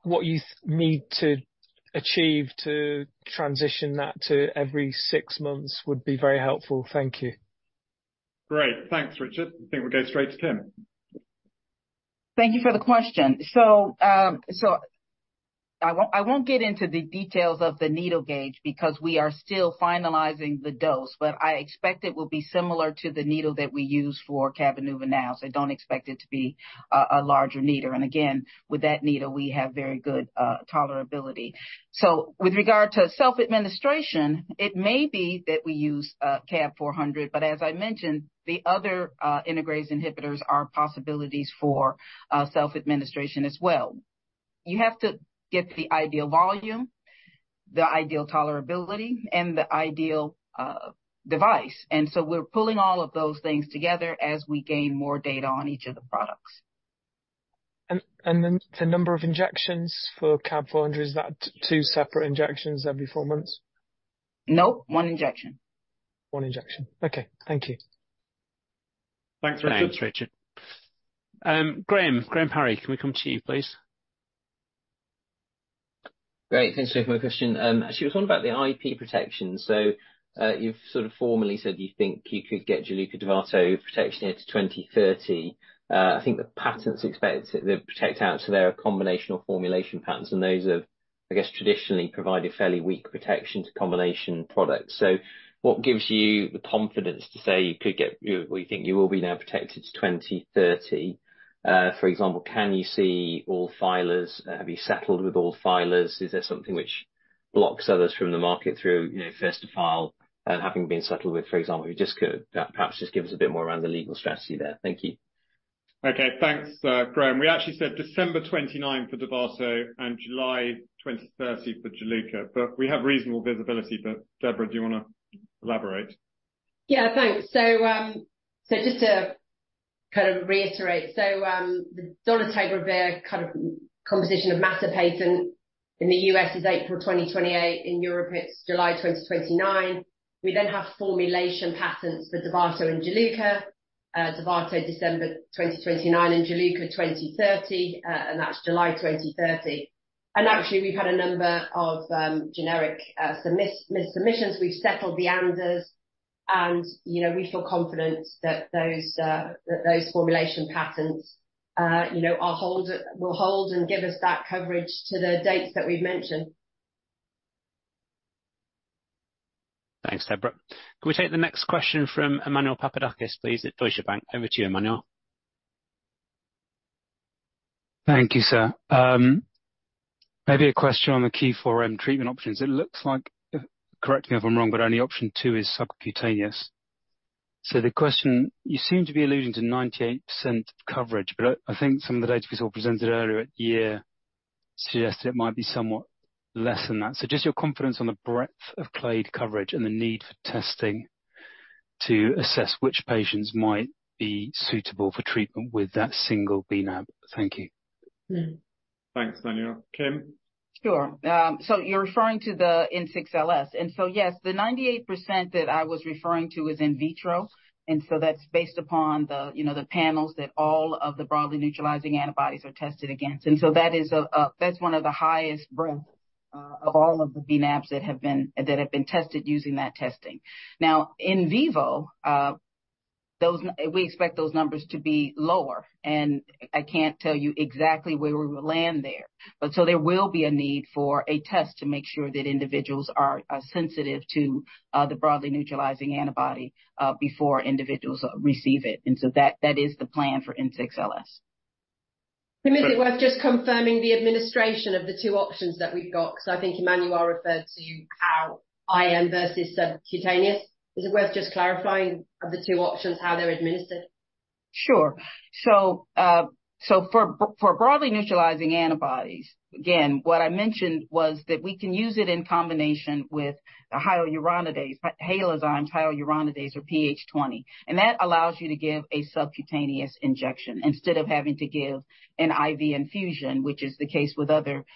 what you need to achieve to transition that to every six months would be very helpful. Thank you. Great. Thanks, Richard. I think we'll go straight to Kim. Thank you for the question. So I won't get into the details of the needle gauge because we are still finalizing the dose, but I expect it will be similar to the needle that we use for Cabenuva now, so don't expect it to be a larger needle. And again, with that needle, we have very good tolerability. So with regard to self-administration, it may be that we use CAB 400, but as I mentioned, the other integrase inhibitors are possibilities for self-administration as well. You have to get the ideal volume, the ideal tolerability, and the ideal device. And so we're pulling all of those things together as we gain more data on each of the products. Then the number of injections for CAB 400, is that two separate injections every 4 months? Nope, one injection. One injection. Okay. Thank you. Thanks, Richard. Thanks, Richard. Graham, Graham Parry, can we come to you, please? Great. Thanks for my question. She was talking about the IP protection. So, you've sort of formally said you think you could get Juluca, Dovato protection into 2030. I think the patents expect to protect out to their combination formulation patents, and those have, I guess, traditionally provided fairly weak protection to combination products. So what gives you the confidence to say you could get... You, well, you think you will be now protected to 2030? For example, can you see all filers? Have you settled with all filers? Is there something which blocks others from the market through, you know, first to file and having been settled with, for example, you just could, perhaps just give us a bit more around the legal strategy there. Thank you. Okay, thanks, Graham. We actually said December 2029 for Dovato and July 2030 for Juluca, but we have reasonable visibility. But Deborah, do you wanna elaborate? Yeah, thanks. So, just to kind of reiterate, so, the dolutegravir kind of composition of matter patent in the U.S. is April 2028. In Europe, it's July 2029. We then have formulation patents for Dovato and Juluca. Dovato, December 2029, and Juluca, 2030, and that's July 2030. And actually, we've had a number of generic submissions. We've settled the ANDAs, and, you know, we feel confident that those, that those formulation patents, you know, are hold, will hold and give us that coverage to the dates that we've mentioned. Thanks, Deborah. Can we take the next question from Emmanuel Papadakis, please, at Deutsche Bank? Over to you, Emmanuel. Thank you, sir. Maybe a question on the key for treatment options. It looks like, correct me if I'm wrong, but only option two is subcutaneous. So the question, you seem to be alluding to 98% coverage, but I, I think some of the data we saw presented earlier at year suggests that it might be somewhat less than that. So just your confidence on the breadth of clade coverage and the need for testing to assess which patients might be suitable for treatment with that single bNAb. Thank you. Mm. Thanks, Emmanuel. Kim? Sure. So you're referring to the N6LS. And so, yes, the 98% that I was referring to is in vitro, and so that's based upon the, you know, the panels that all of the broadly neutralizing antibodies are tested against. And so that is a- that's one of the highest breadth of all of the bNAbs that have been tested using that testing. Now, in vivo, we expect those numbers to be lower, and I can't tell you exactly where we will land there. But so there will be a need for a test to make sure that individuals are sensitive to the broadly neutralizing antibody before individuals receive it, and so that is the plan for N6LS. Kim, is it worth just confirming the administration of the two options that we've got? Because I think Emmanuel referred to how IM versus subcutaneous. Is it worth just clarifying, of the two options, how they're administered? Sure. So, for broadly neutralizing antibodies, again, what I mentioned was that we can use it in combination with the hyaluronidase, Halozyme's hyaluronidase or PH20. And that allows you to give a subcutaneous injection instead of having to give an IV infusion, which is the case with other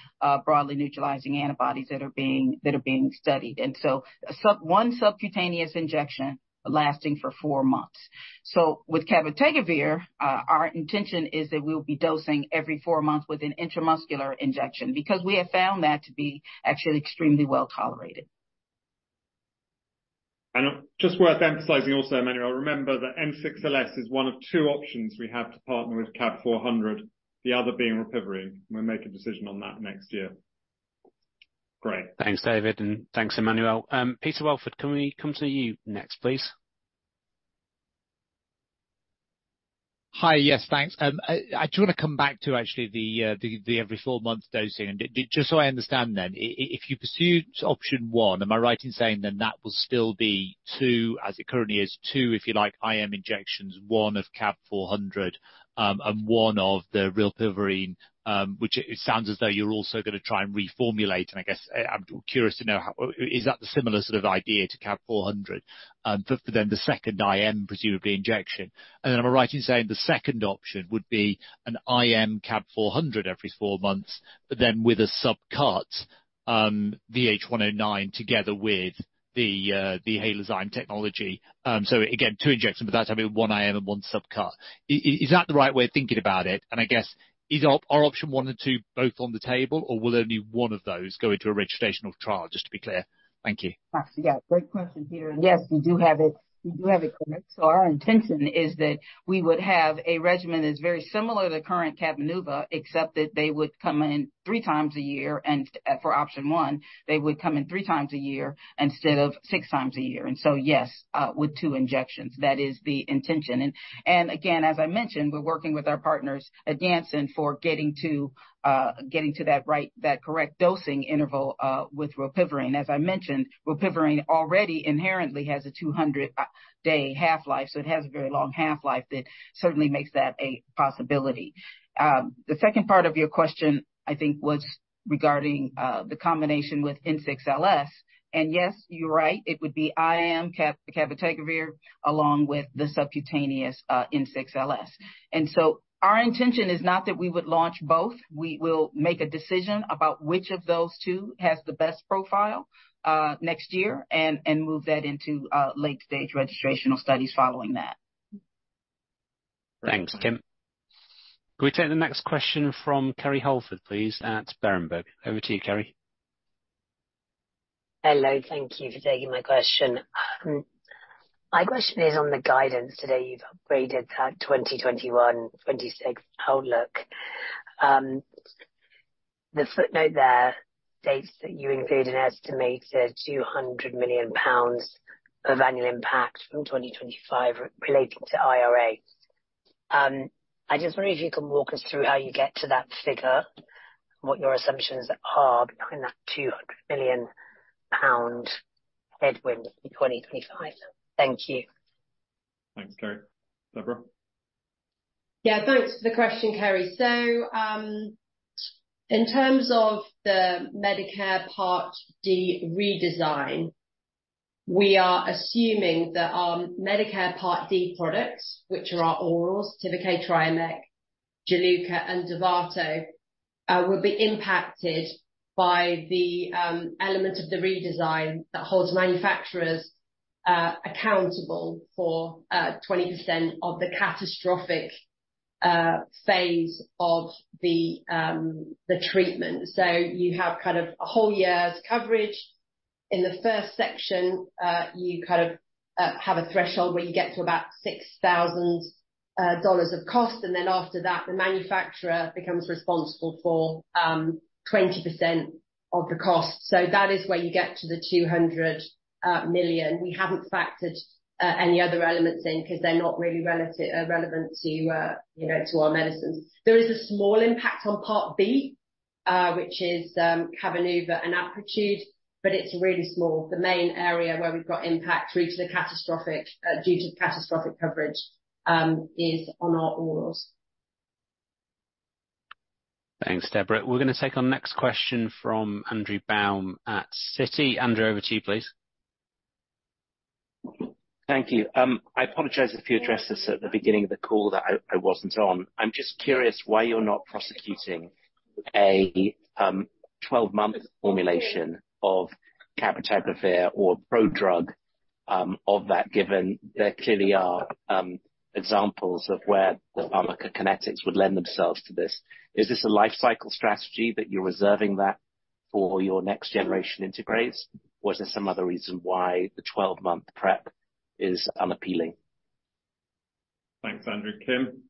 broadly neutralizing antibodies that are being studied. And so one subcutaneous injection lasting for four months. So with cabotegravir, our intention is that we'll be dosing every four months with an intramuscular injection, because we have found that to be actually extremely well tolerated. Just worth emphasizing also, Emmanuel, remember that N6LS is one of two options we have to partner with CAB 400, the other being rilpivirine. We'll make a decision on that next year. Great. Thanks, David, and thanks, Emmanuel. Peter Welford, can we come to you next, please? Hi. Yes, thanks. I do want to come back to actually the every four-month dosing. And just so I understand then, if you pursue option one, am I right in saying then that will still be two, as it currently is, two, if you like, IM injections, one of CAB 400, and one of the rilpivirine, which it sounds as though you're also going to try and reformulate. And I guess I'm curious to know how... Is that the similar sort of idea to CAB 400, for then the second IM, presumably, injection? And then am I right in saying the second option would be an IM CAB 400 every 4 months, but then with a subcut the VH109, together with the Halozyme technology. So again, two injections, but that's having one IM and one subcut. Is that the right way of thinking about it? And I guess, are option one and two both on the table, or will only one of those go into a registrational trial, just to be clear? Thank you. Thanks. Yeah, great question, Peter. Yes, you do have it. You do have it correct. So our intention is that we would have a regimen that's very similar to the current Cabenuva, except that they would come in three times a year, and, for option one, they would come in three times a year instead of six times a year. And so, yes, with two injections, that is the intention. And, and again, as I mentioned, we're working with our partners at Janssen, for getting to, getting to that right, that correct dosing interval, with rilpivirine. As I mentioned, rilpivirine already inherently has a 200-day half-life, so it has a very long half-life that certainly makes that a possibility. The second part of your question, I think, was regarding, the combination with N6LS. Yes, you're right, it would be IM cab, cabotegravir, along with the subcutaneous N6LS. So our intention is not that we would launch both. We will make a decision about which of those two has the best profile next year, and, and move that into late stage registrational studies following that. Thanks, Kim. Can we take the next question from Kerry Holford, please, at Berenberg? Over to you, Kerry. Hello, thank you for taking my question. My question is on the guidance. Today, you've upgraded that 2021-2026 outlook. The footnote there states that you include an estimated 200 million pounds of annual impact from 2025 relating to IRA. I just wonder if you can walk us through how you get to that figure, what your assumptions are behind that 200 million pound headwind in 2025. Thank you. Thanks, Kerry. Deborah? Yeah, thanks for the question, Kerry. So, in terms of the Medicare Part D redesign, we are assuming that our Medicare Part D products, which are our orals, Tivicay, Triumeq, Juluca and Dovato, will be impacted by the element of the redesign that holds manufacturers accountable for 20% of the catastrophic phase of the treatment. So you have kind of a whole year's coverage. In the first section, you kind of have a threshold where you get to about $6,000 of cost, and then after that, the manufacturer becomes responsible for 20% of the cost. So that is where you get to the $200 million. We haven't factored any other elements in, because they're not really relevant to you know, to our medicines. There is a small impact on Part B, which is Cabenuva and Apretude, but it's really small. The main area where we've got impact due to the catastrophic coverage is on our orals. Thanks, Deborah. We're going to take our next question from Andrew Baum at Citi. Andrew, over to you, please. Thank you. I apologize if you addressed this at the beginning of the call, that I wasn't on. I'm just curious why you're not prosecuting a 12-month formulation of cabotegravir or prodrug of that, given there clearly are examples of where the pharmacokinetics would lend themselves to this. Is this a life cycle strategy, that you're reserving that for your next generation integrase? Or is there some other reason why the 12-month PrEP is unappealing? Thanks, Andrew. Kim?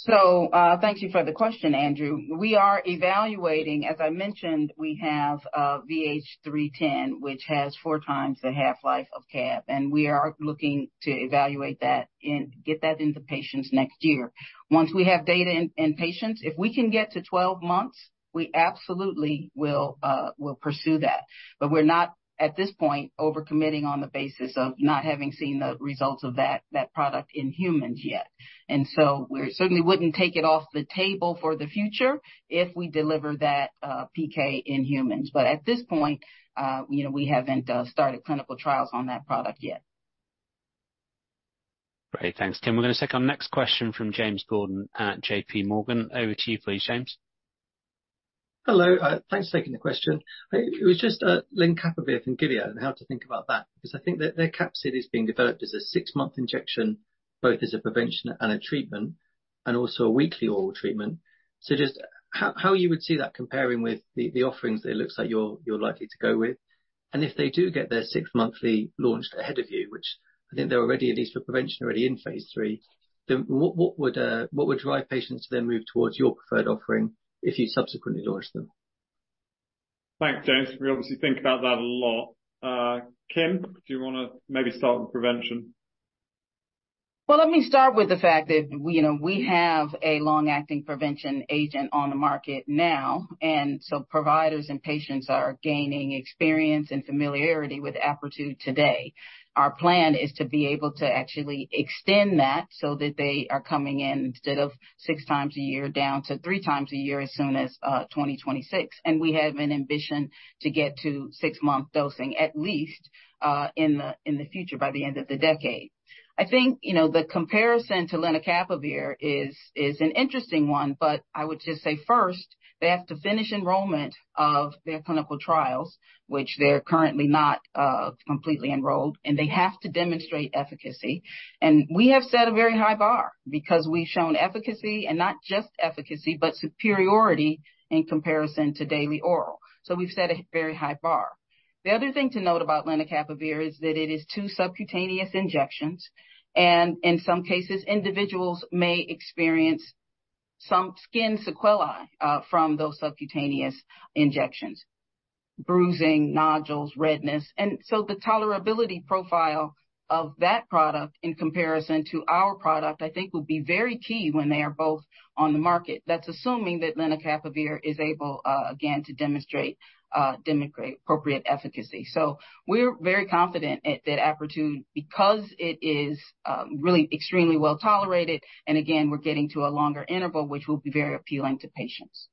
So, thank you for the question, Andrew. We are evaluating. As I mentioned, we have VH310, which has four times the half-life of CAB, and we are looking to evaluate that and get that into patients next year. Once we have data in patients, if we can get to 12 months, we absolutely will pursue that. But we're not, at this point, over-committing on the basis of not having seen the results of that product in humans yet. And so we certainly wouldn't take it off the table for the future if we deliver that PK in humans. But at this point, you know, we haven't started clinical trials on that product yet. Great. Thanks, Kim. We're gonna take our next question from James Gordon at J.P. Morgan. Over to you, please, James. Hello. Thanks for taking the question. It was just lenacapavir from Gilead, and how to think about that, because I think that their capsid is being developed as a 6-month injection, both as a prevention and a treatment, and also a weekly oral treatment. So just how you would see that comparing with the offerings that it looks like you're likely to go with? And if they do get their 6-monthly launch ahead of you, which I think they're already, at least for prevention, already in phase three, then what would drive patients to then move towards your preferred offering if you subsequently launched them? Thanks, James. We obviously think about that a lot. Kim, do you wanna maybe start with prevention? Well, let me start with the fact that, you know, we have a long-acting prevention agent on the market now, and so providers and patients are gaining experience and familiarity with Apretude today. Our plan is to be able to actually extend that, so that they are coming in instead of six times a year, down to three times a year as soon as 2026. And we have an ambition to get to six-month dosing, at least, in the future, by the end of the decade. I think, you know, the comparison to lenacapavir is an interesting one, but I would just say first, they have to finish enrollment of their clinical trials, which they're currently not completely enrolled, and they have to demonstrate efficacy. And we have set a very high bar because we've shown efficacy, and not just efficacy, but superiority in comparison to daily oral. So we've set a very high bar. The other thing to note about lenacapavir is that it is two subcutaneous injections, and in some cases, individuals may experience some skin sequelae from those subcutaneous injections. Bruising, nodules, redness. And so the tolerability profile of that product in comparison to our product, I think, would be very key when they are both on the market. That's assuming that lenacapavir is able, again, to demonstrate appropriate efficacy. So we're very confident at that Apretude because it is really extremely well tolerated, and again, we're getting to a longer interval, which will be very appealing to patients.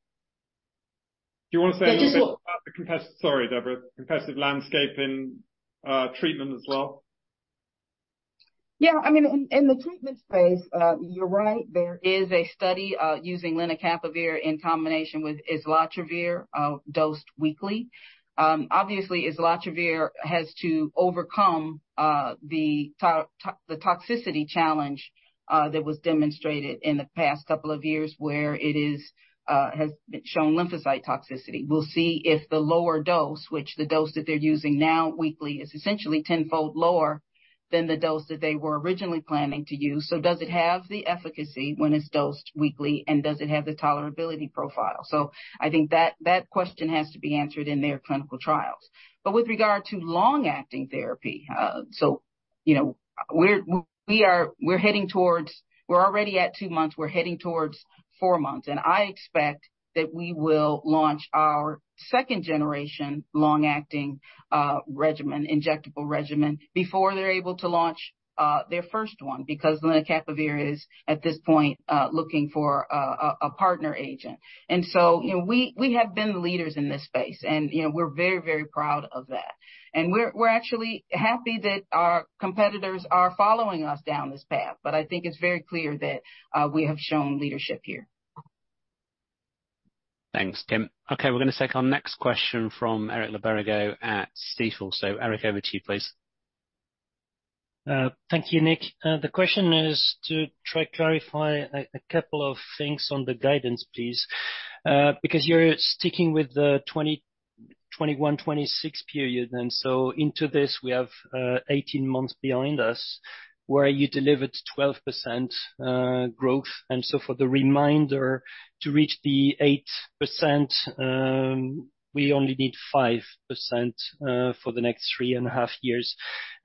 Do you want to say a little bit about the competitive... Yeah, just- Sorry, Deborah. Competitive landscape in, treatment as well? Yeah, I mean, in the treatment space, you're right, there is a study using lenacapavir in combination with islatravir, dosed weekly. Obviously, islatravir has to overcome the toxicity challenge that was demonstrated in the past couple of years, where it has shown lymphocyte toxicity. We'll see if the lower dose, which the dose that they're using now, weekly, is essentially tenfold lower than the dose that they were originally planning to use. So does it have the efficacy when it's dosed weekly, and does it have the tolerability profile? So I think that question has to be answered in their clinical trials. But with regard to long-acting therapy, so you know, we're heading towards... We're already at 2 months, we're heading towards 4 months, and I expect that we will launch our second-generation, long-acting, regimen, injectable regimen, before they're able to launch their first one, because lenacapavir is, at this point, looking for a partner agent. And so, you know, we have been the leaders in this space, and, you know, we're very, very proud of that. And we're actually happy that our competitors are following us down this path. But I think it's very clear that we have shown leadership here. Thanks, Kim. Okay, we're gonna take our next question from Eric Lebrego at Stifel. So, Eric, over to you, please. Thank you, Nick. The question is to try to clarify a couple of things on the guidance, please. Because you're sticking with the 2021-2026 period, and so into this, we have 18 months behind us, where you delivered 12% growth. And so for the remainder, to reach the 8%, we only need 5% for the next three and a half years.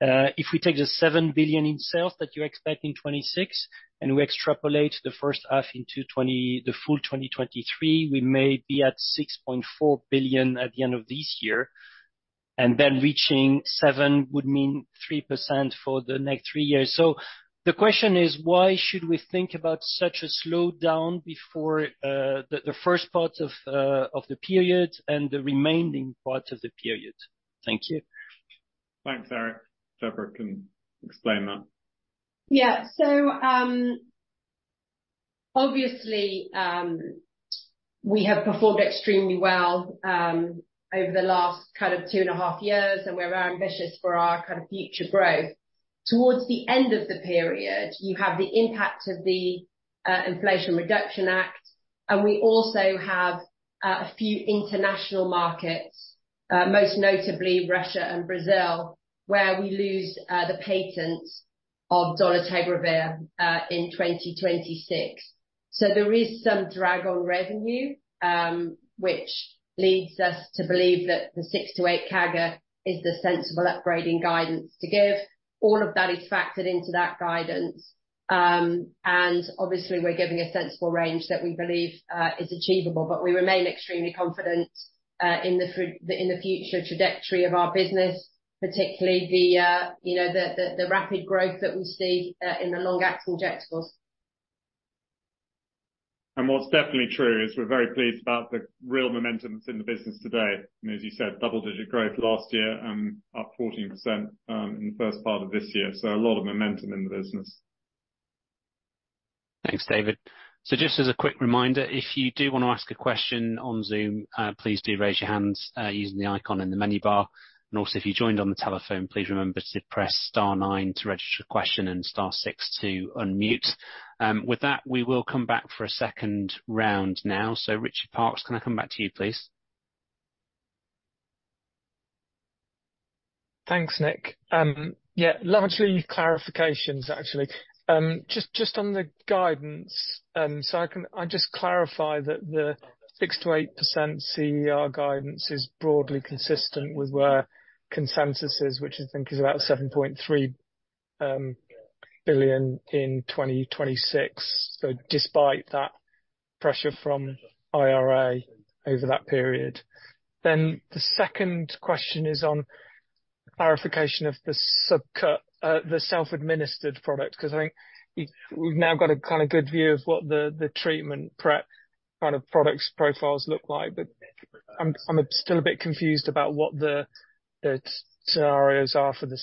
If we take the 7 billion in sales that you expect in 2026, and we extrapolate the first half into 2020, the full 2023, we may be at 6.4 billion at the end of this year, and then reaching seven would mean 3% for the next three years. So the question is, why should we think about such a slowdown before the first part of the period and the remaining part of the period? Thank you. Thanks, Eric. Deborah can explain that. Yeah. So, obviously, we have performed extremely well, over the last kind of two and a half years, and we're very ambitious for our kind of future growth. Towards the end of the period, you have the impact of the Inflation Reduction Act. And we also have a few international markets, most notably Russia and Brazil, where we lose the patent of dolutegravir in 2026. So there is some drag on revenue, which leads us to believe that the six to eight CAGR is the sensible upgrading guidance to give. All of that is factored into that guidance. Obviously, we're giving a sensible range that we believe is achievable, but we remain extremely confident in the future trajectory of our business, particularly, you know, the rapid growth that we see in the long-acting injectables. What's definitely true is we're very pleased about the real momentum that's in the business today. As you said, double-digit growth last year and up 14%, in the first part of this year. A lot of momentum in the business. Thanks, David. So just as a quick reminder, if you do wanna ask a question on Zoom, please do raise your hands using the icon in the menu bar. And also, if you joined on the telephone, please remember to press Star nine to register a question and Star six to unmute. With that, we will come back for a second round now. So, Richard Parkes, can I come back to you, please? Thanks, Nick. Yeah, largely clarifications, actually. Just, just on the guidance, so I can I just clarify that the 6%-8% CER guidance is broadly consistent with where consensus is, which I think is about 7.3 billion in 2026. So despite that pressure from IRA over that period. Then the second question is on clarification of the subcut, the self-administered product, because I think you we've now got a kinda good view of what the, the treatment prep kind of products profiles look like. But I'm, I'm still a bit confused about what the, the scenarios are for the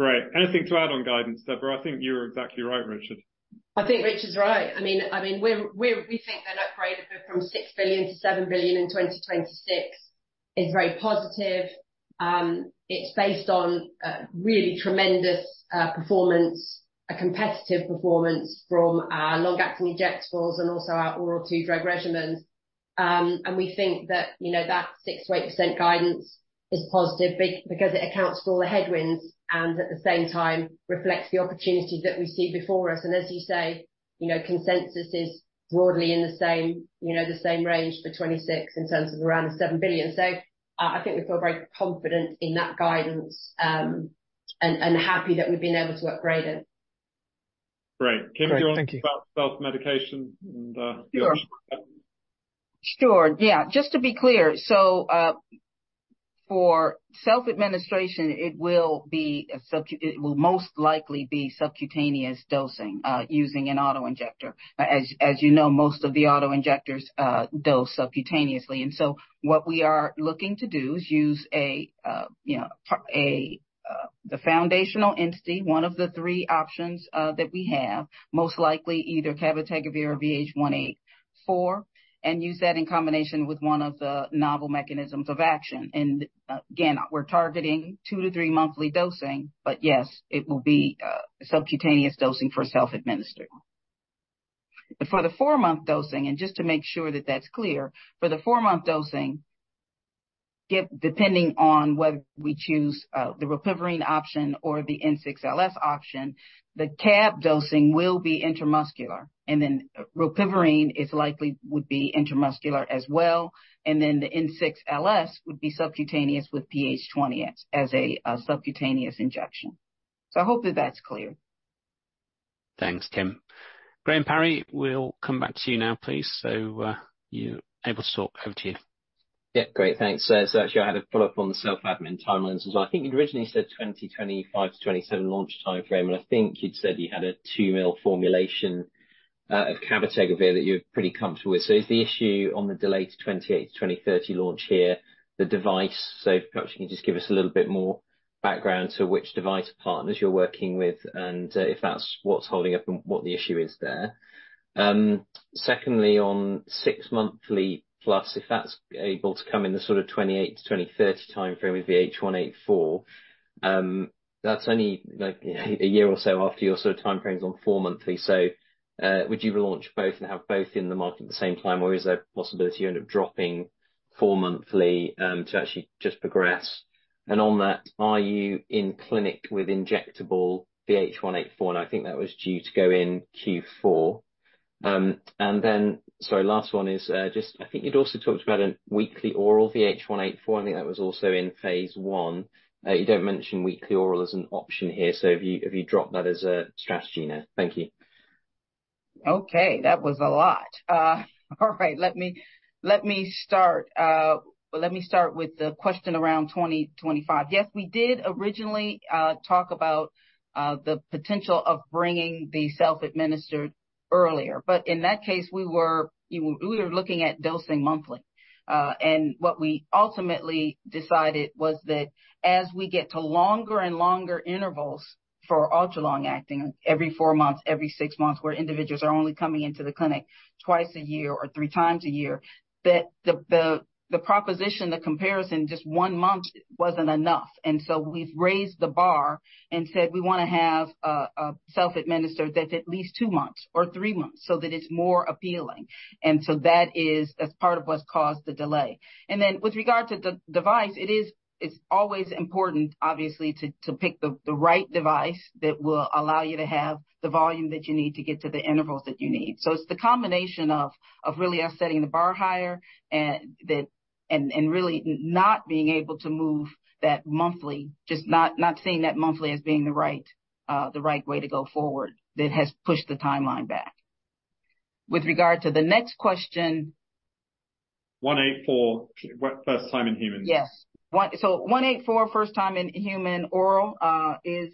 self-administered. Right. Anything to add on guidance, Deborah? I think you're exactly right, Richard. I think Richard's right. I mean, we're we think an upgrade from 6 billion to 7 billion in 2026 is very positive. It's based on really tremendous performance, a competitive performance from our long-acting injectables and also our oral two-drug regimens. And we think that, you know, that 6%-8% guidance is positive because it accounts for all the headwinds and at the same time reflects the opportunities that we see before us. And as you say, you know, consensus is broadly in the same, you know, the same range for 2026 in terms of around 7 billion. So, I think we feel very confident in that guidance, and happy that we've been able to upgrade it. Great. Great. Thank you. Do you want to talk about self-medication and, Sure. Sure, yeah. Just to be clear, so, for self-administration, it will be a—it will most likely be subcutaneous dosing, using an auto-injector. As, as you know, most of the auto-injectors dose subcutaneously. And so what we are looking to do is use a, you know, a, the foundational entity, one of the three options, that we have, most likely either cabotegravir or VH184, and use that in combination with one of the novel mechanisms of action. And, again, we're targeting 2-3 monthly dosing. But yes, it will be subcutaneous dosing for self-administered. For the 4-month dosing, and just to make sure that that's clear. For the 4-month dosing, depending on whether we choose the rilpivirine option or the N6LS option, the cab dosing will be intramuscular, and then rilpivirine is likely would be intramuscular as well, and then the N6LS would be subcutaneous, with PH20X as a subcutaneous injection. So I hope that that's clear. Thanks, Kim. Graham Parry, we'll come back to you now, please. So, you're able to talk. Over to you. Yeah, great. Thanks. So actually, I had a follow-up on the self-admin timelines as well. I think you'd originally said 2025-2027 launch timeframe, and I think you'd said you had a 2 ml formulation of cabotegravir that you're pretty comfortable with. So is the issue on the delayed 2028-2030 launch here, the device? So perhaps you can just give us a little bit more background to which device partners you're working with, and if that's what's holding up and what the issue is there. Secondly, on six-monthly plus, if that's able to come in the sort of 2028-2030 timeframe with VH184, that's only like a year or so after your sort of timeframes on four-monthly. So, would you launch both and have both in the market at the same time, or is there a possibility you end up dropping four monthly, to actually just progress? And on that, are you in clinic with injectable VH184? And I think that was due to go in Q4. And then... sorry, last one is, just I think you'd also talked about a weekly oral VH184. I think that was also in phase one. You don't mention weekly oral as an option here, so have you, have you dropped that as a strategy now? Thank you. Okay, that was a lot. All right, let me, let me start, let me start with the question around 2025. Yes, we did originally talk about the potential of bringing the self-administered earlier, but in that case, we were, we were looking at dosing monthly. And what we ultimately decided was that as we get to longer and longer intervals for ultra-long-acting, every 4 months, every 6 months, where individuals are only coming into the clinic twice a year or three times a year, that the, the, the proposition, the comparison, just one month wasn't enough, and so we've raised the bar and said, we wanna have a, a self-administered that's at least 2 months or 3 months, so that it's more appealing. And so that is, that's part of what's caused the delay. And then with regard to the device, it is, it's always important, obviously, to pick the right device that will allow you to have the volume that you need to get to the intervals that you need. So it's the combination of really us setting the bar higher, and that really not being able to move that monthly, just not seeing that monthly as being the right way to go forward, that has pushed the timeline back. With regard to the next question. 184, what, first time in humans? Yes. So VH184, first time in human oral, is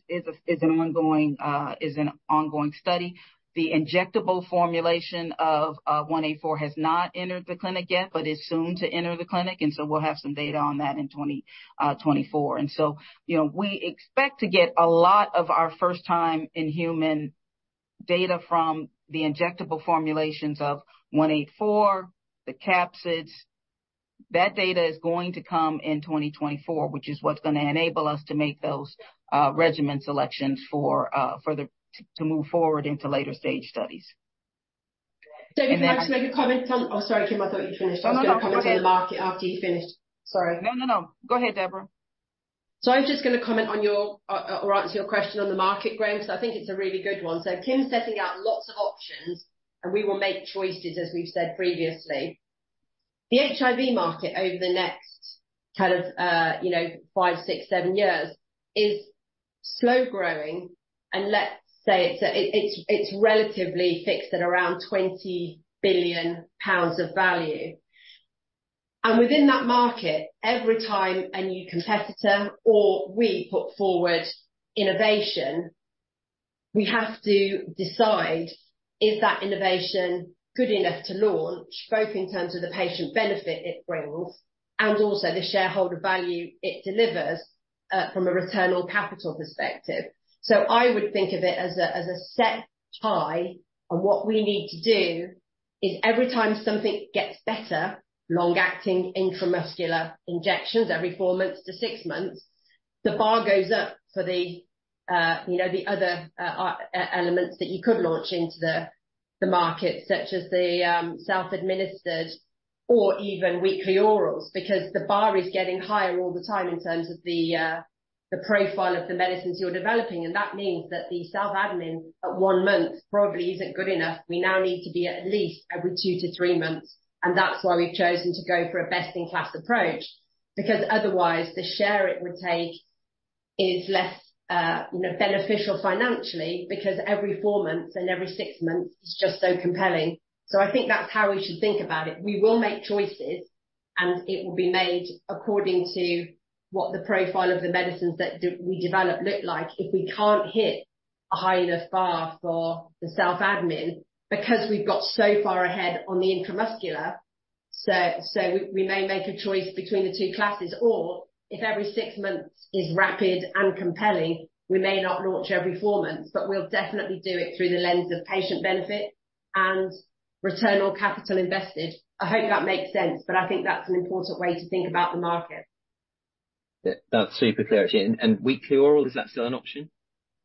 an ongoing study. The injectable formulation of VH184 has not entered the clinic yet, but is soon to enter the clinic, and so we'll have some data on that in 2024. And so, you know, we expect to get a lot of our first time in human data from the injectable formulations of VH184, the capsids. That data is going to come in 2024, which is what's gonna enable us to make those regimen selections for the to move forward into later stage studies. David, can I just make a comment on... Oh, sorry, Kim, I thought you'd finished. No, no, go ahead. I was going to comment on the market after you finished. Sorry. No, no, no. Go ahead, Deborah. So I was just gonna comment on your, or answer your question on the market, Graham, because I think it's a really good one. So Kim's setting out lots of options, and we will make choices, as we've said previously. The HIV market over the next kind of, you know, five, six, seven years, is slow growing, and let's say it's relatively fixed at around 20 billion pounds of value. And within that market, every time a new competitor or we put forward innovation, we have to decide, is that innovation good enough to launch, both in terms of the patient benefit it brings and also the shareholder value it delivers, from a return on capital perspective. So I would think of it as a, as a set tie, and what we need to do is every time something gets better, long-acting intramuscular injections every 4-6 months, the bar goes up for the, you know, the other, e-elements that you could launch into the, the market, such as the, self-administered or even weekly orals. Because the bar is getting higher all the time in terms of the, the profile of the medicines you're developing, and that means that the self-admin at 1 month probably isn't good enough. We now need to be at least every 2-3 months, and that's why we've chosen to go for a best-in-class approach, because otherwise the share it would take is less, you know, beneficial financially because every four months and every six months is just so compelling. So I think that's how we should think about it. We will make choices, and it will be made according to what the profile of the medicines that we develop look like. If we can't hit a high enough bar for the self-admin, because we've got so far ahead on the intramuscular, so, so we may make a choice between the two classes. Or if every six months is rapid and compelling, we may not launch every four months, but we'll definitely do it through the lens of patient benefit and return on capital invested. I hope that makes sense, but I think that's an important way to think about the market. Yeah. That's super clear, actually. And weekly oral, is that still an option?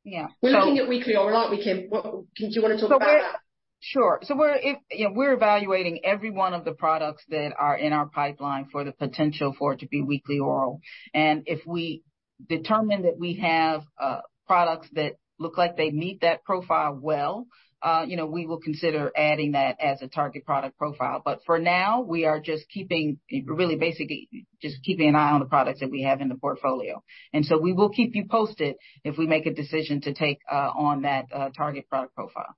Yeah. We're looking at weekly oral, aren't we, Kim? What... Kim, do you wanna talk about that? Sure. So we're, you know, we're evaluating every one of the products that are in our pipeline for the potential for it to be weekly oral. And if we determine that we have products that look like they meet that profile well, you know, we will consider adding that as a target product profile. But for now, we are just keeping... Really, basically, just keeping an eye on the products that we have in the portfolio. And so we will keep you posted if we make a decision to take on that target product profile.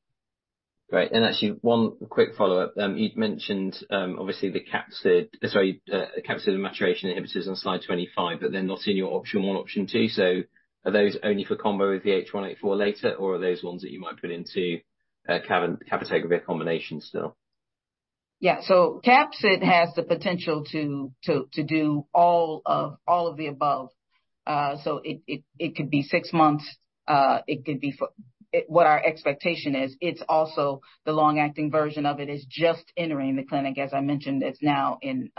Great. Actually, one quick follow-up. You'd mentioned, obviously, the capsid maturation inhibitors on slide 25, but they're not in your option one, option two. So are those only for combo with the VH184 later, or are those ones that you might put into cabotegravir combination still? Yeah. So capsid has the potential to do all of the above. So it could be six months. What our expectation is, it's also the long-acting version of it is just entering the clinic. As I mentioned, it's now in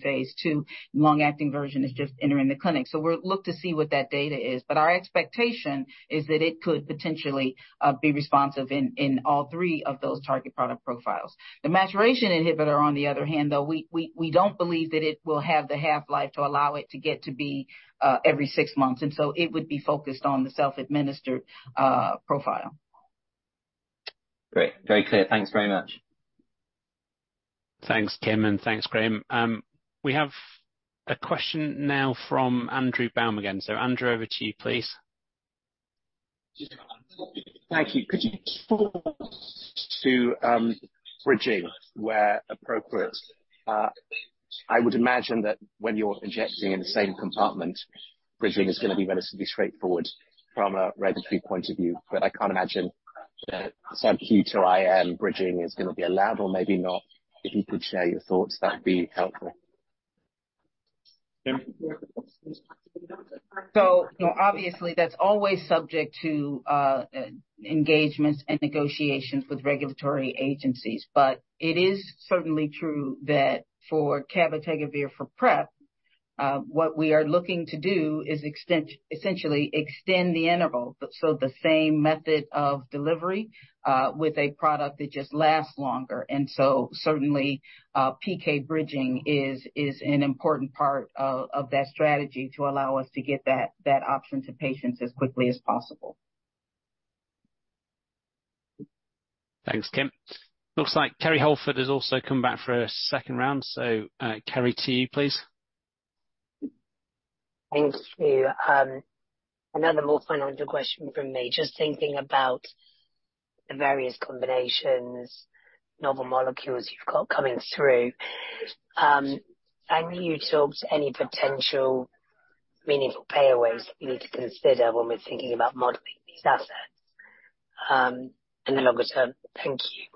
phase 2. Long-acting version is just entering the clinic, so we'll look to see what that data is. But our expectation is that it could potentially be responsive in all three of those target product profiles. The maturation inhibitor, on the other hand, though, we don't believe that it will have the half-life to allow it to get to be every six months, and so it would be focused on the self-administered profile. Great. Very clear. Thanks very much. Thanks, Kim, and thanks, Graham. We have a question now from Andrew Baum again. So Andrew, over to you, please. Thank you. Could you talk to bridging where appropriate? I would imagine that when you're injecting in the same compartment, bridging is gonna be relatively straightforward from a regulatory point of view, but I can't imagine that subq to IM bridging is gonna be allowed or maybe not. If you could share your thoughts, that'd be helpful. Kim? So, obviously, that's always subject to engagements and negotiations with regulatory agencies, but it is certainly true that for cabotegravir, for PrEP... What we are looking to do is extend, essentially extend the interval, but so the same method of delivery, with a product that just lasts longer. And so certainly, PK bridging is an important part of that strategy to allow us to get that option to patients as quickly as possible. Thanks, Kim. Looks like Kerry Holford has also come back for a second round. So, Kerry, to you, please. Thanks to you. Another more financial question from me. Just thinking about the various combinations, novel molecules you've got coming through. Can you talk to any potential meaningful payaways you need to consider when we're thinking about modeling these assets, in the longer term? Thank you.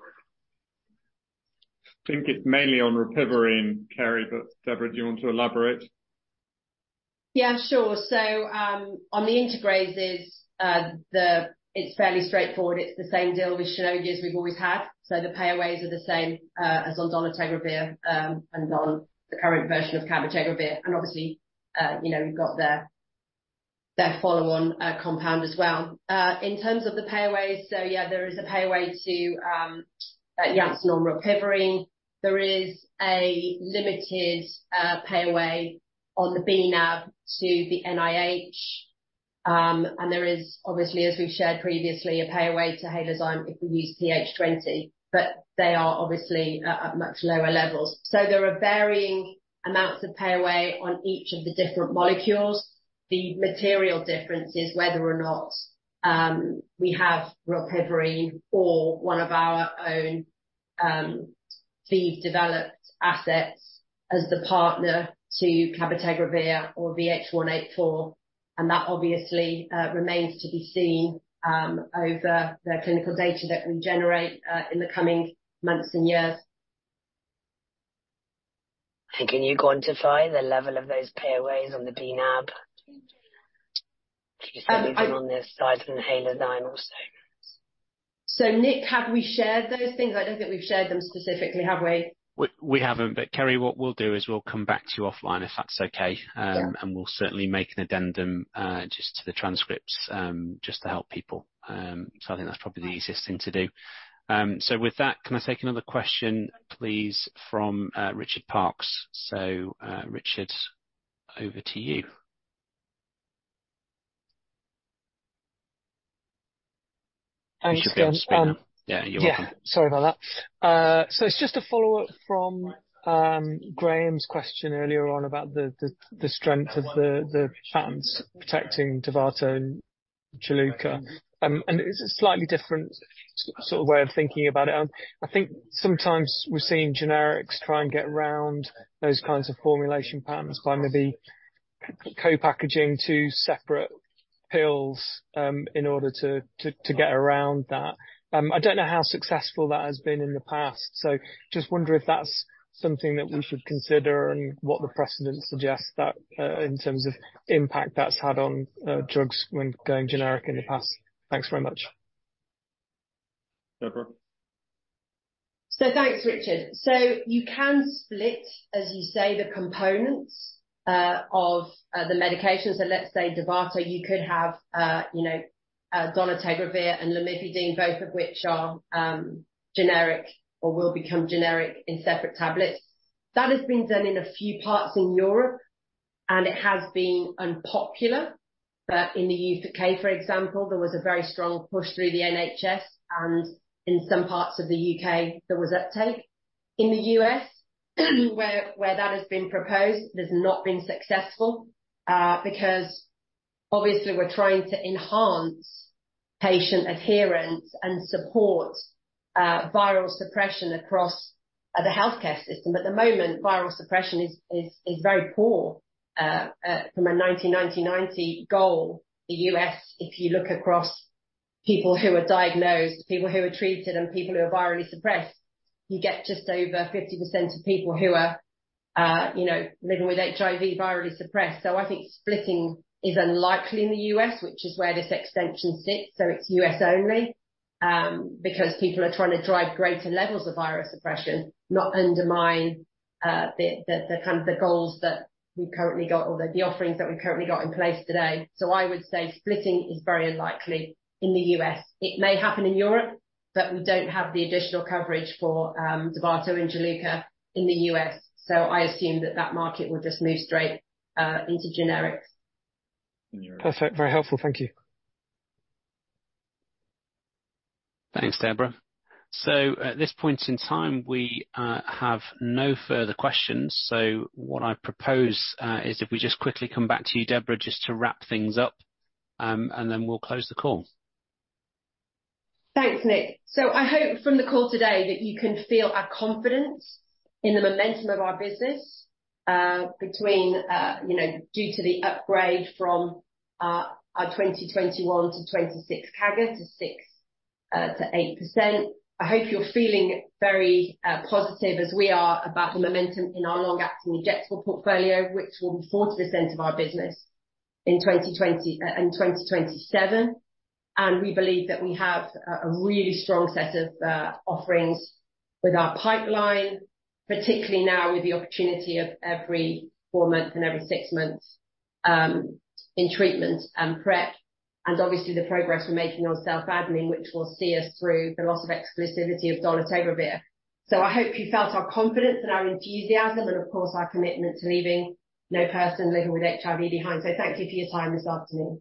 I think it's mainly on rilpivirine, Kerry, but Deborah, do you want to elaborate? Yeah, sure. So, on the integrases, it's fairly straightforward. It's the same deal with GSK as we've always had, so the payaways are the same, as on dolutegravir, and on the current version of cabotegravir. And obviously, you know, you've got their, their follow-on, compound as well. In terms of the payaways, so yeah, there is a payaway to Janssen on rilpivirine. There is a limited, payaway on the bNAb to the NIH. And there is, obviously, as we've shared previously, a payaway to Halozyme if we use PH20, but they are obviously at, at much lower levels. So there are varying amounts of payaway on each of the different molecules. The material difference is whether or not we have rilpivirine or one of our own in-house developed assets as the partner to cabotegravir or VH184, and that obviously remains to be seen over the clinical data that we generate in the coming months and years. Can you quantify the level of those payaways on the bNAb? Can you say them on this side and Halozyme also? So, Nick, have we shared those things? I don't think we've shared them specifically, have we? We haven't, but Kerry, what we'll do is we'll come back to you offline, if that's okay. Yeah. We'll certainly make an addendum just to the transcripts just to help people. I think that's probably the easiest thing to do. With that, can I take another question, please, from Richard Parks? Richard, over to you. Thanks, Nick. Yeah, you're welcome. Yeah, sorry about that. So it's just a follow-up from Graham's question earlier on about the strength of the patents protecting Dovato and Juluca. And it's a slightly different sort of way of thinking about it. I think sometimes we're seeing generics try and get around those kinds of formulation patents by maybe co-packaging two separate pills in order to get around that. I don't know how successful that has been in the past, so just wonder if that's something that we should consider and what the precedent suggests that in terms of impact that's had on drugs when going generic in the past. Thanks very much. Deborah? So thanks, Richard. So you can split, as you say, the components of the medication. So let's say Dovato, you could have, you know, dolutegravir and lamivudine, both of which are generic or will become generic in separate tablets. That has been done in a few parts in Europe, and it has been unpopular. But in the UK, for example, there was a very strong push through the NHS, and in some parts of the UK, there was uptake. In the US, where that has been proposed, it has not been successful, because obviously we're trying to enhance patient adherence and support viral suppression across the healthcare system. At the moment, viral suppression is very poor. From a 1990 goal, the US, if you look across people who are diagnosed, people who are treated, and people who are virally suppressed, you get just over 50% of people who are, you know, living with HIV virally suppressed. So I think splitting is unlikely in the US, which is where this extension sits, so it's US only, because people are trying to drive greater levels of virus suppression, not undermine the kind of the goals that we've currently got or the offerings that we've currently got in place today. So I would say splitting is very unlikely in the US. It may happen in Europe, but we don't have the additional coverage for Dovato and Gilead in the US, so I assume that that market will just move straight into generics. Perfect. Very helpful. Thank you. Thanks, Deborah. So at this point in time, we have no further questions. So what I propose is if we just quickly come back to you, Deborah, just to wrap things up, and then we'll close the call. Thanks, Nick. So I hope from the call today that you can feel our confidence in the momentum of our business, between, you know, due to the upgrade from our 2021 to 2026 CAGR to 6 to 8%. I hope you're feeling very positive, as we are, about the momentum in our long-acting injectable portfolio, which will be 40% of our business in 2027. And we believe that we have a really strong set of offerings with our pipeline, particularly now with the opportunity of every four months and every six months in treatment and PrEP, and obviously the progress we're making on self-admin, which will see us through the loss of exclusivity of dolutegravir. So I hope you felt our confidence and our enthusiasm and, of course, our commitment to leaving no person living with HIV behind. So thank you for your time this afternoon.